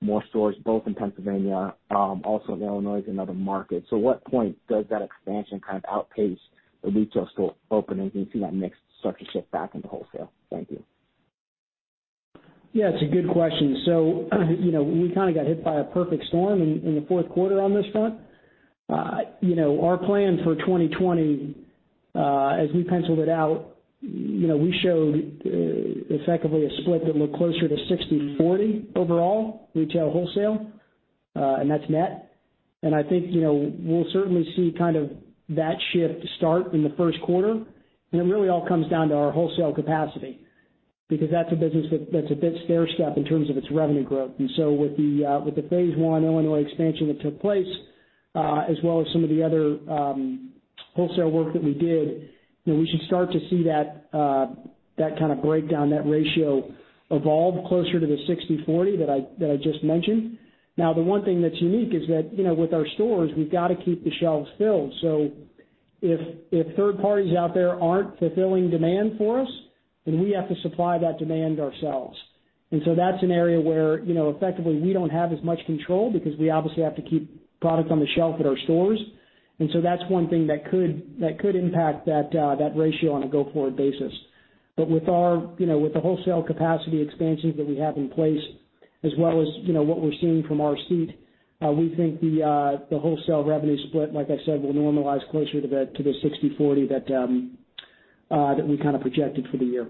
more stores both in Pennsylvania, also in Illinois and other markets. What point does that expansion kind of outpace the retail store openings and see that mix start to shift back into wholesale? Thank you. Yeah, it's a good question. We kind of got hit by a perfect storm in the Q4 on this front. Our plan for 2020, as we penciled it out, we showed effectively a split that looked closer to 60/40 overall retail wholesale, and that's net. I think, we'll certainly see kind of that shift start in the Q1, and it really all comes down to our wholesale capacity, because that's a business that's a bit stairstep in terms of its revenue growth. With the phase one Illinois expansion that took place, as well as some of the other wholesale work that we did, we should start to see that kind of breakdown, that ratio evolve closer to the 60/40 that I just mentioned. Now, the one thing that's unique is that, with our stores, we've got to keep the shelves filled. If third parties out there aren't fulfilling demand for us, then we have to supply that demand ourselves. That's an area where effectively we don't have as much control because we obviously have to keep product on the shelf at our stores. That's one thing that could impact that ratio on a go-forward basis. With the wholesale capacity expansions that we have in place, as well as what we're seeing from our seat, we think the wholesale revenue split, like I said, will normalize closer to the 60/40 that we kind of projected for the year.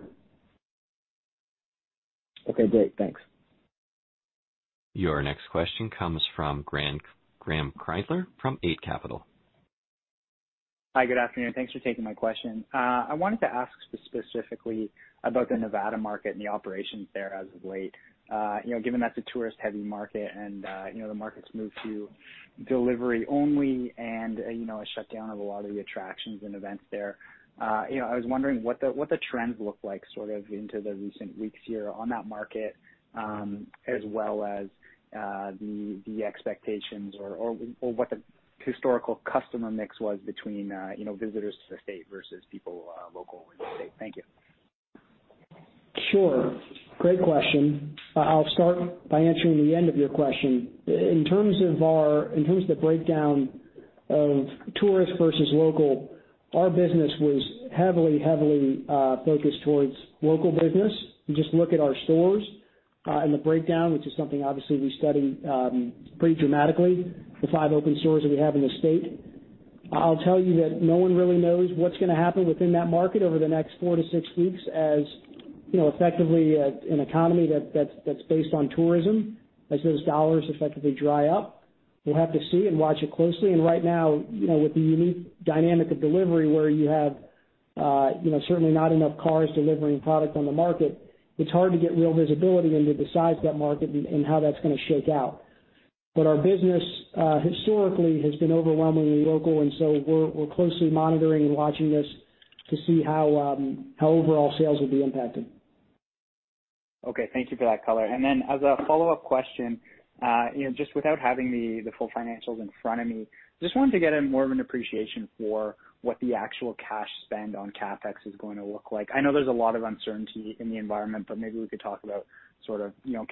Okay, great. Thanks. Your next question comes from Graeme Kreindler, from Eight Capital. Hi. Good afternoon. Thanks for taking my question. I wanted to ask specifically about the Nevada market and the operations there as of late. Given that's a tourist-heavy market and the market's moved to delivery only and a shutdown of a lot of the attractions and events there. I was wondering what the trends look like sort of into the recent weeks here on that market, as well as the expectations or what the historical customer mix was between visitors to the state versus people local in the state. Thank you. Sure. Great question. I'll start by answering the end of your question. In terms of the breakdown of tourist versus local, our business was heavily focused towards local business. You just look at our stores, and the breakdown, which is something obviously we study pretty dramatically, the five open stores that we have in the state. I'll tell you that no one really knows what's going to happen within that market over the next four to six weeks, as effectively an economy that's based on tourism, as those dollars effectively dry up. We'll have to see and watch it closely. Right now, with the unique dynamic of delivery, where you have certainly not enough cars delivering product on the market, it's hard to get real visibility into the size of that market and how that's going to shake out. Our business historically has been overwhelmingly local, and so we're closely monitoring and watching this to see how overall sales will be impacted. Okay. Thank you for that color. As a follow-up question, just without having the full financials in front of me, just wanted to get a more of an appreciation for what the actual cash spend on CapEx is going to look like. I know there's a lot of uncertainty in the environment, maybe we could talk about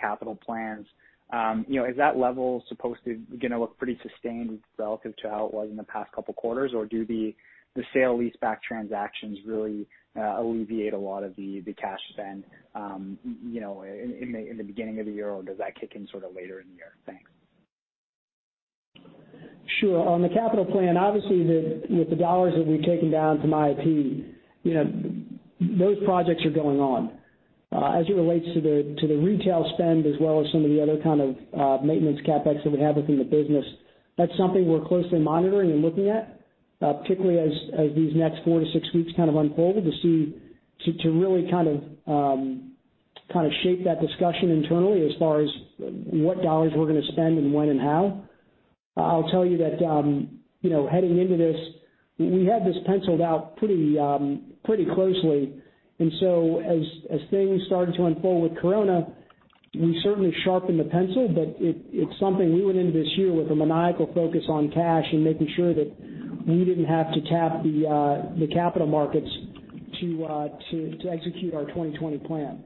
capital plans. Is that level supposed to look pretty sustained relative to how it was in the past couple of quarters, or do the sale-lease back transactions really alleviate a lot of the cash spend in the beginning of the year, or does that kick in sort of later in the year? Thanks. Sure. On the capital plan, obviously with the dollar that we've taken down from IIP, those projects are going on. As it relates to the retail spend as well as some of the other kind of maintenance CapEx that we have within the business, that's something we're closely monitoring and looking at, particularly as these next four to six weeks kind of unfold to really kind of shape that discussion internally as far as what dollar we're going to spend and when and how. I'll tell you that heading into this, we had this penciled out pretty closely. As things started to unfold with COVID, we certainly sharpened the pencil, but it's something we went into this year with a maniacal focus on cash and making sure that we didn't have to tap the capital markets to execute our 2020 plan.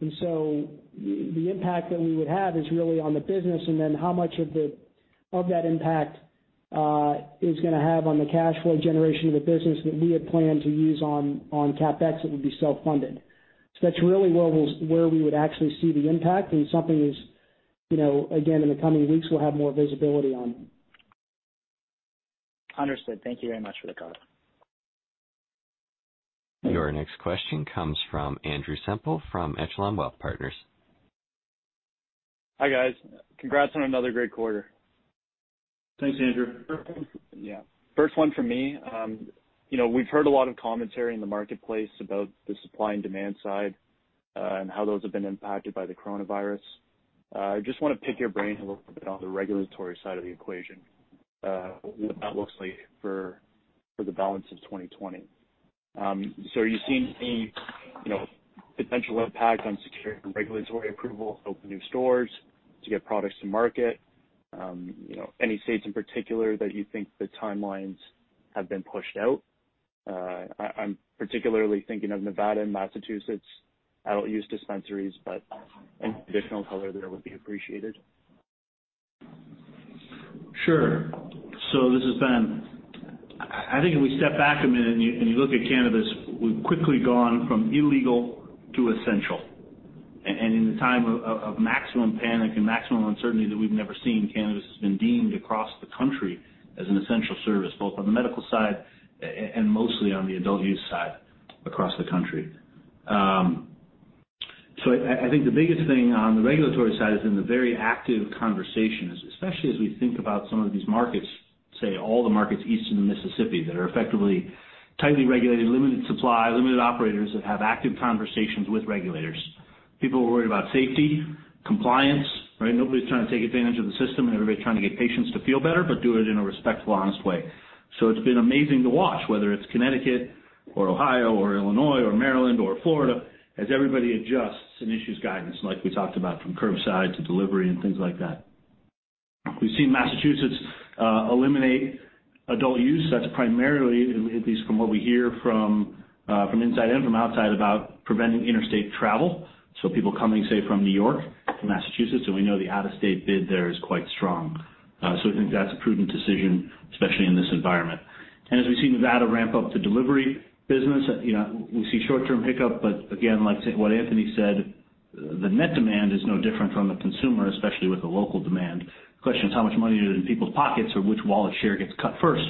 The impact that we would have is really on the business and then how much of that impact is going to have on the cash flow generation of the business that we had planned to use on CapEx that would be self-funded. That's really where we would actually see the impact and something is, again, in the coming weeks, we'll have more visibility on. Understood. Thank you very much for the call. Your next question comes from Andrew Semple from Echelon Wealth Partners. Hi, guys. Congrats on another great quarter. Thanks, Andrew. Yeah. First one from me. We've heard a lot of commentary in the marketplace about the supply and demand side, and how those have been impacted by COVID. I just want to pick your brain a little bit on the regulatory side of the equation, what that looks like for the balance of 2020. Are you seeing any potential impact on securing regulatory approval to open new stores, to get products to market? Any states in particular that you think the timelines have been pushed out? I'm particularly thinking of Nevada and Massachusetts adult use dispensaries, any additional color there would be appreciated. Sure. This is Ben. I think if we step back a minute and you look at cannabis, we've quickly gone from illegal to essential. In the time of maximum panic and maximum uncertainty that we've never seen, cannabis has been deemed across the country as an essential service, both on the medical side and mostly on the adult use side across the country. I think the biggest thing on the regulatory side is in the very active conversations, especially as we think about some of these markets, say all the markets east of the Mississippi that are effectively tightly regulated, limited supply, limited operators that have active conversations with regulators. People are worried about safety, compliance, right? Nobody's trying to take advantage of the system, and everybody's trying to get patients to feel better, but do it in a respectful, honest way. It's been amazing to watch, whether it's Connecticut or Ohio or Illinois or Maryland or Florida, as everybody adjusts and issues guidance like we talked about from curbside to delivery and things like that. We've seen Massachusetts eliminate adult use. That's primarily, at least from what we hear from inside and from outside, about preventing interstate travel. People coming, say, from New York to Massachusetts, and we know the out-of-state bid there is quite strong. We think that's a prudent decision, especially in this environment. As we see Nevada ramp up the delivery business, we see short-term hiccup, but again, like what Anthony said, the net demand is no different from the consumer, especially with the local demand. The question is how much money is in people's pockets, or which wallet share gets cut first,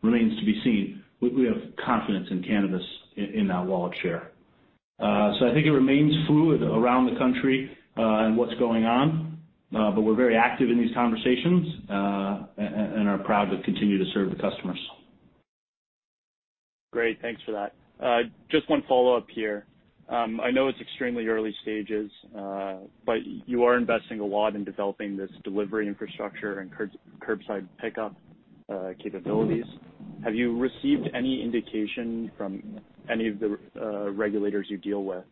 remains to be seen. We have confidence in cannabis in that wallet share. I think it remains fluid around the country on what's going on. We're very active in these conversations, and are proud to continue to serve the customers. Great. Thanks for that. Just one follow-up here. I know it's extremely early stages. You are investing a lot in developing this delivery infrastructure and curbside pickup capabilities. Have you received any indication from any of the regulators you deal with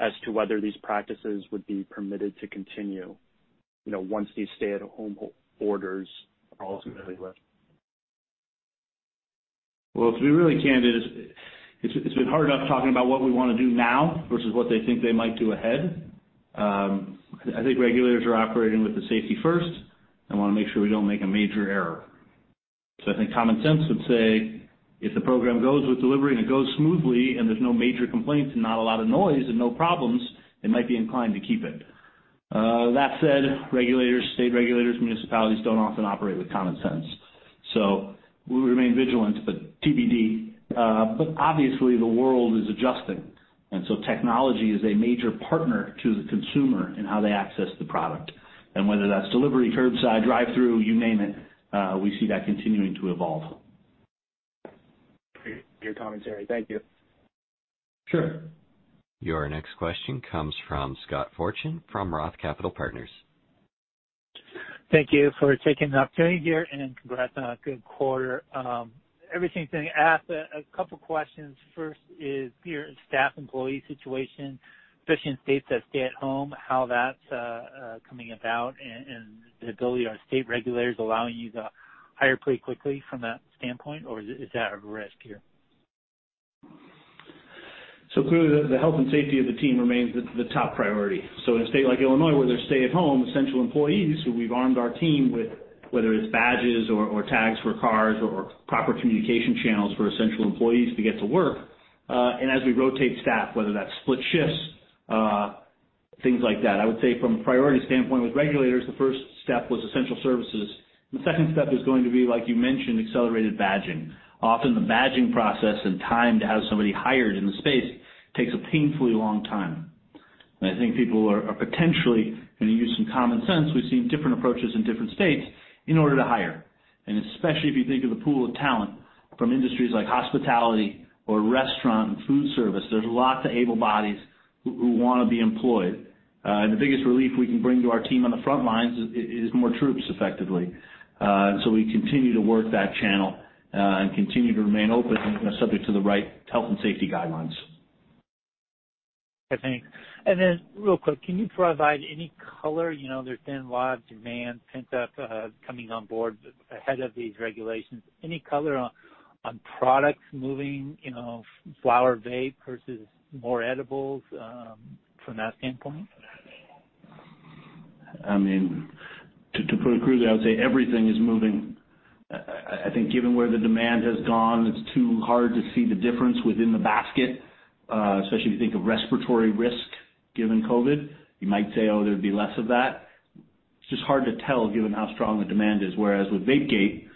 as to whether these practices would be permitted to continue, once these stay-at-home orders are ultimately lifted? Well, to be really candid, it's been hard enough talking about what we want to do now versus what they think they might do ahead. I think regulators are operating with the safety first and want to make sure we don't make a major error. I think common sense would say if the program goes with delivery and it goes smoothly and there's no major complaints and not a lot of noise and no problems, they might be inclined to keep it. That said, regulators, state regulators, municipalities don't often operate with common sense. We remain vigilant, but TBD. Obviously the world is adjusting, and so technology is a major partner to the consumer in how they access the product. Whether that's delivery, curbside, drive-through, you name it, we see that continuing to evolve. Appreciate your commentary. Thank you. Sure. Your next question comes from Scott Fortune from ROTH Capital Partners. Thank you for taking the opportunity here, and congrats on a good quarter. Everything's been asked. A couple questions. First is your staff employee situation, especially in states that stay at home, how that's coming about and the ability are state regulators allowing you to hire pretty quickly from that standpoint, or is that a risk here? Clearly, the health and safety of the team remains the top priority. In a state like Illinois, where they're stay-at-home essential employees, who we've armed our team with, whether it's badges or tags for cars or proper communication channels for essential employees to get to work. As we rotate staff, whether that's split shifts, things like that, I would say from a priority standpoint with regulators, the first step was essential services, and the second step is going to be, like you mentioned, accelerated badging. Often, the badging process and time to have somebody hired in the space takes a painfully long time. I think people are potentially going to use some common sense, we've seen different approaches in different states in order to hire. Especially if you think of the pool of talent from industries like hospitality or restaurant and food service, there's lots of able bodies who want to be employed. The biggest relief we can bring to our team on the front lines is more troops effectively. We continue to work that channel, and continue to remain open, subject to the right health and safety guidelines. Okay, thanks. Real quick, can you provide any color? There's been a lot of demand pent-up, coming on board ahead of these regulations. Any color on products moving, flower vape versus more edibles, from that standpoint? To put it clearly, I would say everything is moving. I think given where the demand has gone, it is too hard to see the difference within the basket, especially if you think of respiratory risk given COVID. You might say, "Oh, there would be less of that." It is just hard to tell given how strong the demand is. Whereas with Vape Gate,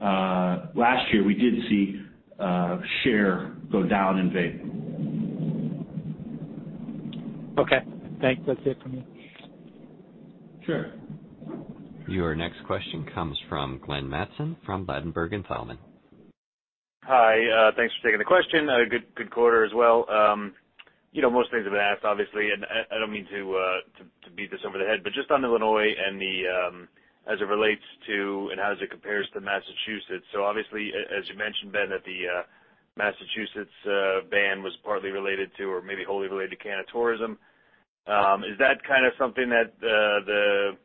last year we did see share go down in vape. Okay. Thanks. That's it for me. Sure. Your next question comes from Glenn Mattson from Ladenburg Thalmann. Hi. Thanks for taking the question. Good quarter as well. Most things have been asked, obviously, and I don't mean to beat this over the head, but just on Illinois and as it relates to, and how does it compares to Massachusetts. Obviously, as you mentioned, Ben, that the Massachusetts ban was partly related to, or maybe wholly related to canna tourism. Is that kind of something that the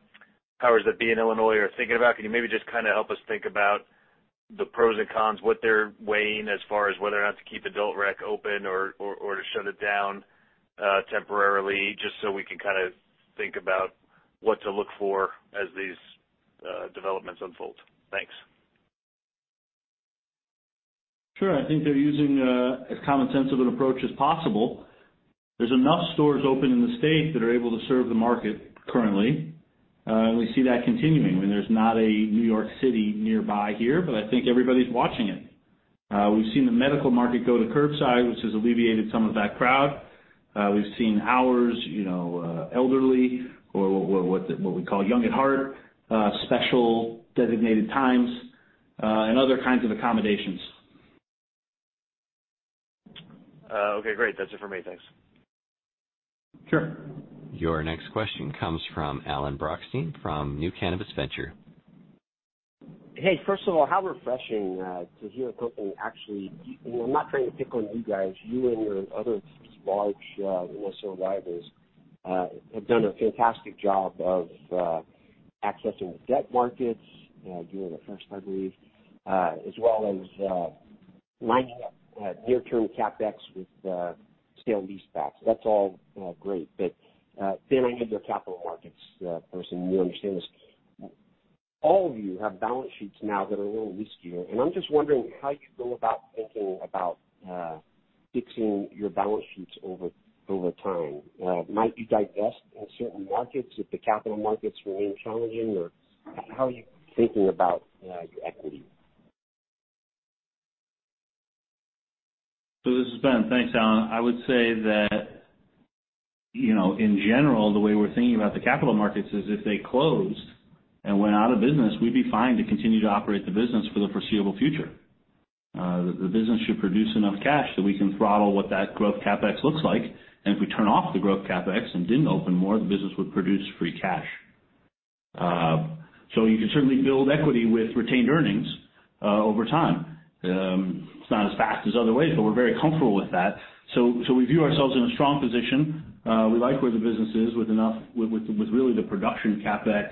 powers that be in Illinois are thinking about? Can you maybe just kind of help us think about the pros and cons, what they're weighing as far as whether or not to keep adult rec open or to shut it down temporarily, just so we can kind of think about what to look for as these developments unfold? Thanks. Sure. I think they're using as common sense of an approach as possible. There's enough stores open in the state that are able to serve the market currently. We see that continuing. There's not a New York City nearby here, but I think everybody's watching it. We've seen the medical market go to curbside, which has alleviated some of that crowd. We've seen hours, elderly or what we call young at heart, special designated times, and other kinds of accommodations. Okay, great. That's it for me. Thanks. Sure. Your next question comes from Alan Brochstein from New Cannabis Ventures. Hey, first of all, how refreshing to hear a company. I'm not trying to pick on you guys. You and your other large survivors have done a fantastic job of accessing the debt markets. You were the first, I believe, as well as lining up near-term CapEx with the sale-leasebacks. That's all great. Ben, I know you're a capital markets person, you understand this. All of you have balance sheets now that are a little riskier, and I'm just wondering how you go about thinking about fixing your balance sheets over time. Might you divest in certain markets if the capital markets remain challenging, or how are you thinking about your equity? This is Ben. Thanks, Alan. I would say that in general, the way we're thinking about the capital markets is if they closed and went out of business, we'd be fine to continue to operate the business for the foreseeable future. The business should produce enough cash that we can throttle what that growth CapEx looks like. If we turn off the growth CapEx and didn't open more, the business would produce free cash. You can certainly build equity with retained earnings over time. It's not as fast as other ways, but we're very comfortable with that. We view ourselves in a strong position. We like where the business is with really the production CapEx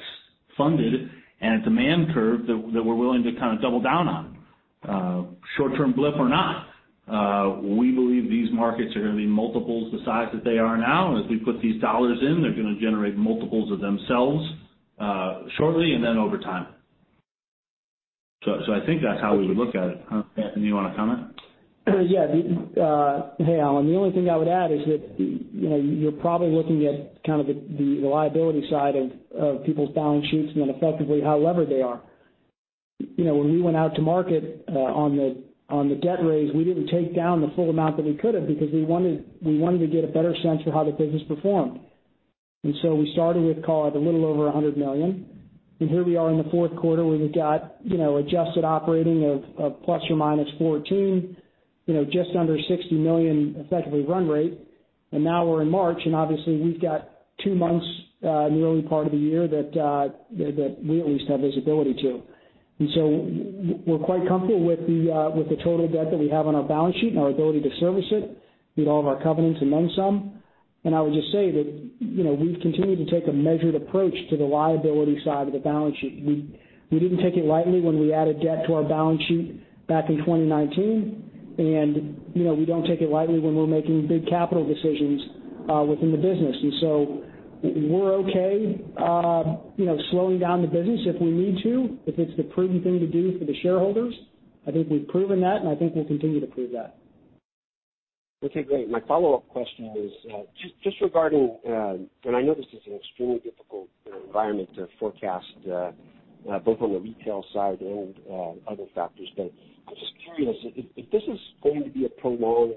funded and a demand curve that we're willing to kind of double down on. Short term blip or not, we believe these markets are going to be multiples the size that they are now. As we put these dollars in, they're going to generate multiples of themselves shortly and then over time. I think that's how we would look at it. Anthony, you want to comment? Yeah. Hey, Alan. The only thing I would add is that you're probably looking at kind of the liability side of people's balance sheets and then effectively how levered they are. When we went out to market on the debt raise, we didn't take down the full amount that we could have because we wanted to get a better sense for how the business performed. So we started with call it a little over $100 million, and here we are in the Q4 where we've got adjusted operating of ±14, just under $60 million effectively run rate. Now we're in March, and obviously we've got two months in the early part of the year that we at least have visibility to. We're quite comfortable with the total debt that we have on our balance sheet and our ability to service it, meet all of our covenants and then some. I would just say that we've continued to take a measured approach to the liability side of the balance sheet. We didn't take it lightly when we added debt to our balance sheet back in 2019. We don't take it lightly when we're making big capital decisions within the business. We're okay slowing down the business if we need to, if it's the prudent thing to do for the shareholders. I think we've proven that, and I think we'll continue to prove that. Okay, great. My follow-up question is just regarding, and I know this is an extremely difficult environment to forecast both on the retail side and other factors, but I'm just curious if this is going to be a prolonged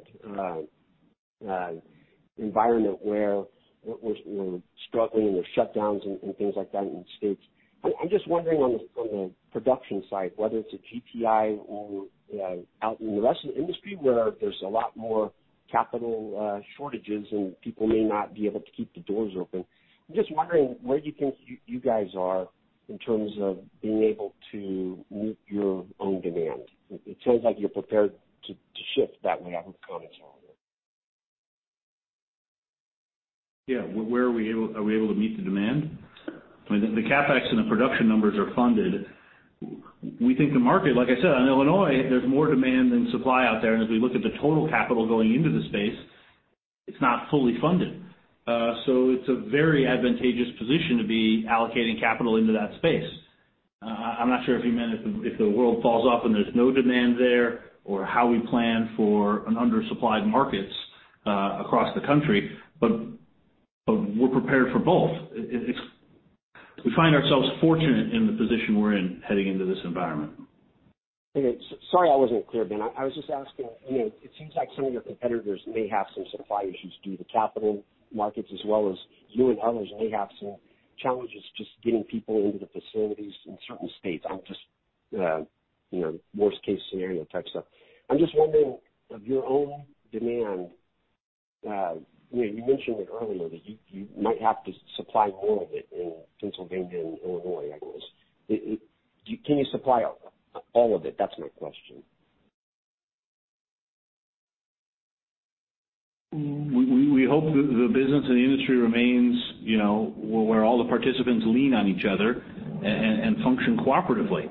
environment where we're struggling and there's shutdowns and things like that in states. I'm just wondering on the production side, whether it's at GTI or out in the rest of the industry where there's a lot more capital shortages and people may not be able to keep the doors open. I'm just wondering where you think you guys are in terms of being able to meet your own demand. It sounds like you're prepared to shift that way. I would comment on it. Yeah. Are we able to meet the demand? The CapEx and the production numbers are funded. We think the market, like I said, in Illinois, there's more demand than supply out there. As we look at the total capital going into the space, it's not fully funded. It's a very advantageous position to be allocating capital into that space. I'm not sure if you meant if the world falls off and there's no demand there or how we plan for an undersupplied markets across the country, but we're prepared for both. We find ourselves fortunate in the position we're in heading into this environment. Okay. Sorry, I wasn't clear, Ben. I was just asking, it seems like some of your competitors may have some supply issues due to capital markets as well as you and others may have some challenges just getting people into the facilities in certain states. I'm just worst case scenario type stuff. I'm just wondering of your own demand, you mentioned it earlier that you might have to supply more of it in Pennsylvania and Illinois, I guess. Can you supply all of it? That's my question. We hope the business and the industry remains where all the participants lean on each other and function cooperatively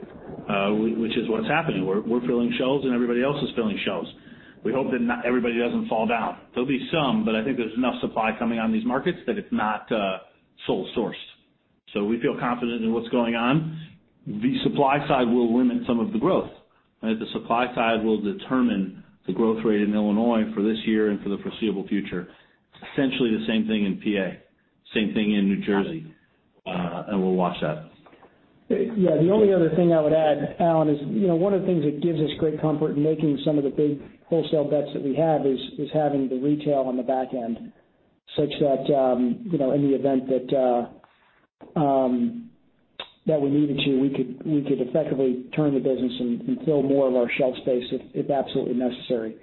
which is what's happening. We're filling shelves and everybody else is filling shelves. We hope that everybody doesn't fall down. There'll be some, but I think there's enough supply coming on these markets that it's not sole source. We feel confident in what's going on. The supply side will limit some of the growth. The supply side will determine the growth rate in Illinois for this year and for the foreseeable future. It's essentially the same thing in PA, same thing in New Jersey, and we'll watch that. Yeah. The only other thing I would add, Alan, is one of the things that gives us great comfort in making some of the big wholesale bets that we have is having the retail on the back end such that in the event that we needed to, we could effectively turn the business and fill more of our shelf space if absolutely necessary.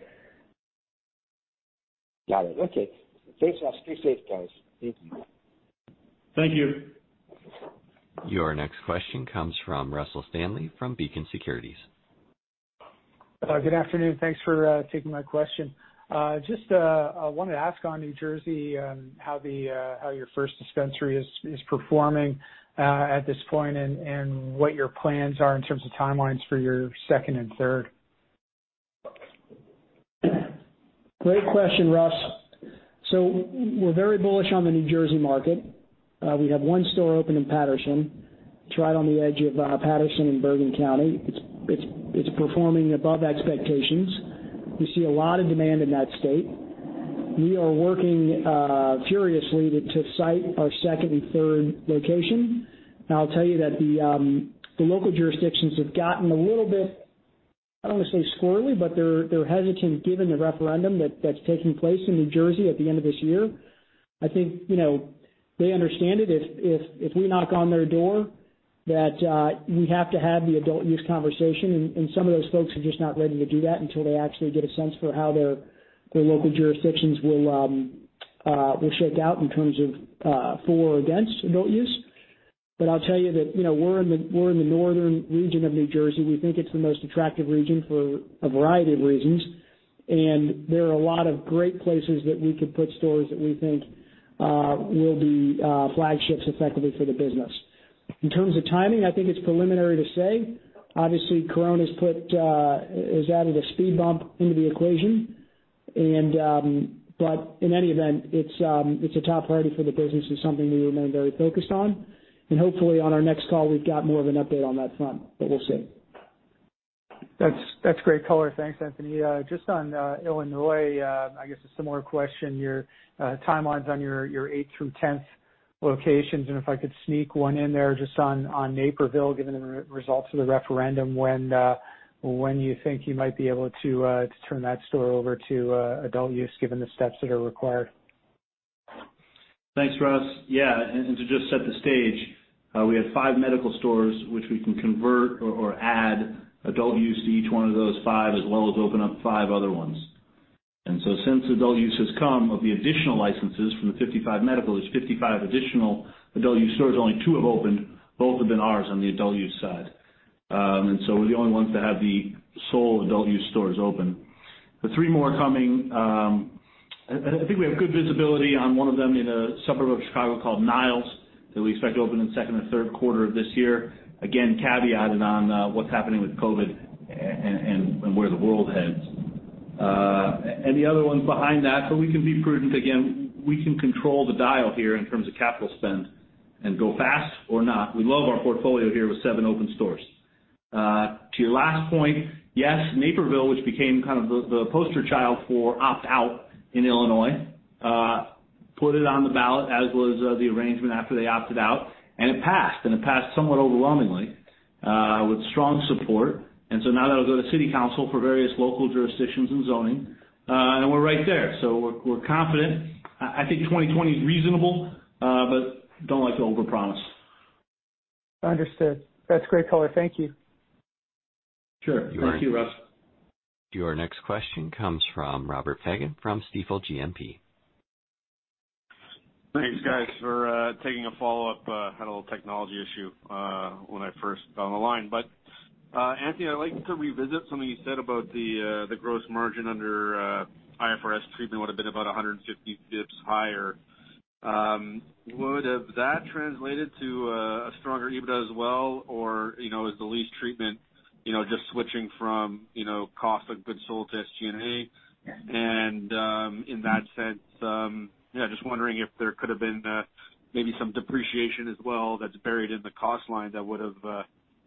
Got it. Okay. Thanks, guys. Stay safe, guys. Thank you. Thank you. Your next question comes from Russell Stanley from Beacon Securities. Good afternoon. Thanks for taking my question. Just I wanted to ask on New Jersey, how your first dispensary is performing at this point and what your plans are in terms of timelines for your second and third. Great question, Russ. We're very bullish on the New Jersey market. We have one store open in Paterson. It's right on the edge of Paterson in Bergen County. It's performing above expectations. We see a lot of demand in that state. We are working furiously to site our second and third location. I'll tell you that the local jurisdictions have gotten a little bit, I don't want to say squirrely, but they're hesitant given the referendum that's taking place in New Jersey at the end of this year. I think they understand it, if we knock on their door, that we have to have the adult use conversation, and some of those folks are just not ready to do that until they actually get a sense for how their local jurisdictions will shake out in terms of for or against adult use. I'll tell you that we're in the northern region of New Jersey. We think it's the most attractive region for a variety of reasons. There are a lot of great places that we could put stores that we think will be flagships effectively for the business. In terms of timing, I think it's preliminary to say. Obviously, COVID has added a speed bump into the equation. In any event, it's a top priority for the business. It's something we remain very focused on. Hopefully on our next call, we've got more of an update on that front, but we'll see. That's great color. Thanks, Anthony. Just on Illinois, I guess a similar question, your timelines on your eight through 10th locations. If I could sneak one in there just on Naperville, given the results of the referendum, when you think you might be able to turn that store over to adult use given the steps that are required? Thanks, Russ. To just set the stage, we have five medical stores which we can convert or add adult use to each one of those five as well as open up five other ones. Since adult use has come of the additional licenses from the 55 medical, there's 55 additional adult use stores, only two have opened. Both have been ours on the adult use side. We're the only ones that have the sole adult use stores open. The three more coming, I think we have good visibility on one of them in a suburb of Chicago called Niles that we expect to open in second or Q3 of this year. Again, caveated on what's happening with COVID and where the world heads. The other one's behind that, so we can be prudent. We can control the dial here in terms of capital spend and go fast or not. We love our portfolio here with seven open stores. To your last point, yes, Naperville, which became kind of the poster child for opt-out in Illinois, put it on the ballot as was the arrangement after they opted out, it passed somewhat overwhelmingly, with strong support. Now that'll go to City Council for various local jurisdictions and zoning. We're right there. We're confident. I think 2020 is reasonable. Don't like to overpromise. Understood. That's great color. Thank you. Sure. Thank you, Russ. Your next question comes from Robert Fagan from Stifel GMP. Thanks, guys. For taking a follow-up, I had a little technology issue when I first got on the line. Anthony, I'd like to revisit something you said about the gross margin under IFRS treatment would have been about 150 basis points higher. Would have that translated to a stronger EBITDA as well? Or is the lease treatment just switching from cost of goods sold to SG&A? In that sense, yeah, just wondering if there could have been maybe some depreciation as well that's buried in the cost line that would have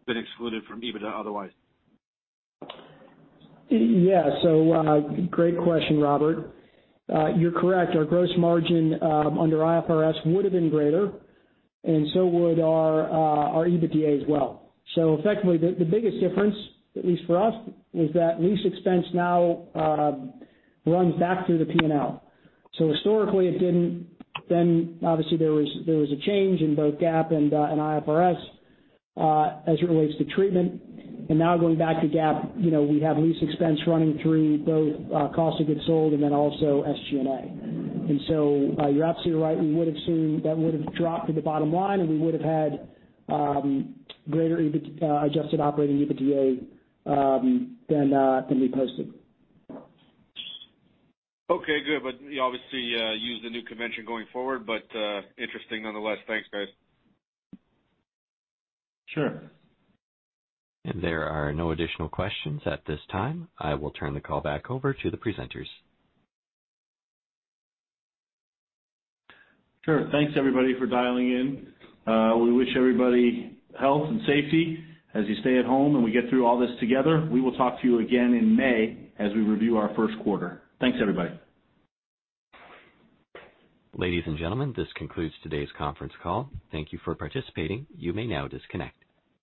been excluded from EBITDA otherwise. Yeah. Great question, Robert. You're correct. Our gross margin under IFRS would have been greater, and so would our EBITDA as well. Effectively, the biggest difference, at least for us, is that lease expense now runs back through the P&L. Historically, it didn't. Obviously there was a change in both GAAP and IFRS, as it relates to treatment. Now going back to GAAP we have lease expense running through both cost of goods sold and then also SG&A. So you're absolutely right. That would have dropped to the bottom line, and we would have had greater adjusted operating EBITDA than we posted. Okay, good. You obviously use the new convention going forward, but interesting nonetheless. Thanks, guys. Sure. There are no additional questions at this time. I will turn the call back over to the presenters. Sure. Thanks everybody for dialing in. We wish everybody health and safety as you stay at home, and we get through all this together. We will talk to you again in May as we review our Q1. Thanks, everybody. Ladies and gentlemen, this concludes today's conference call. Thank you for participating. You may now disconnect.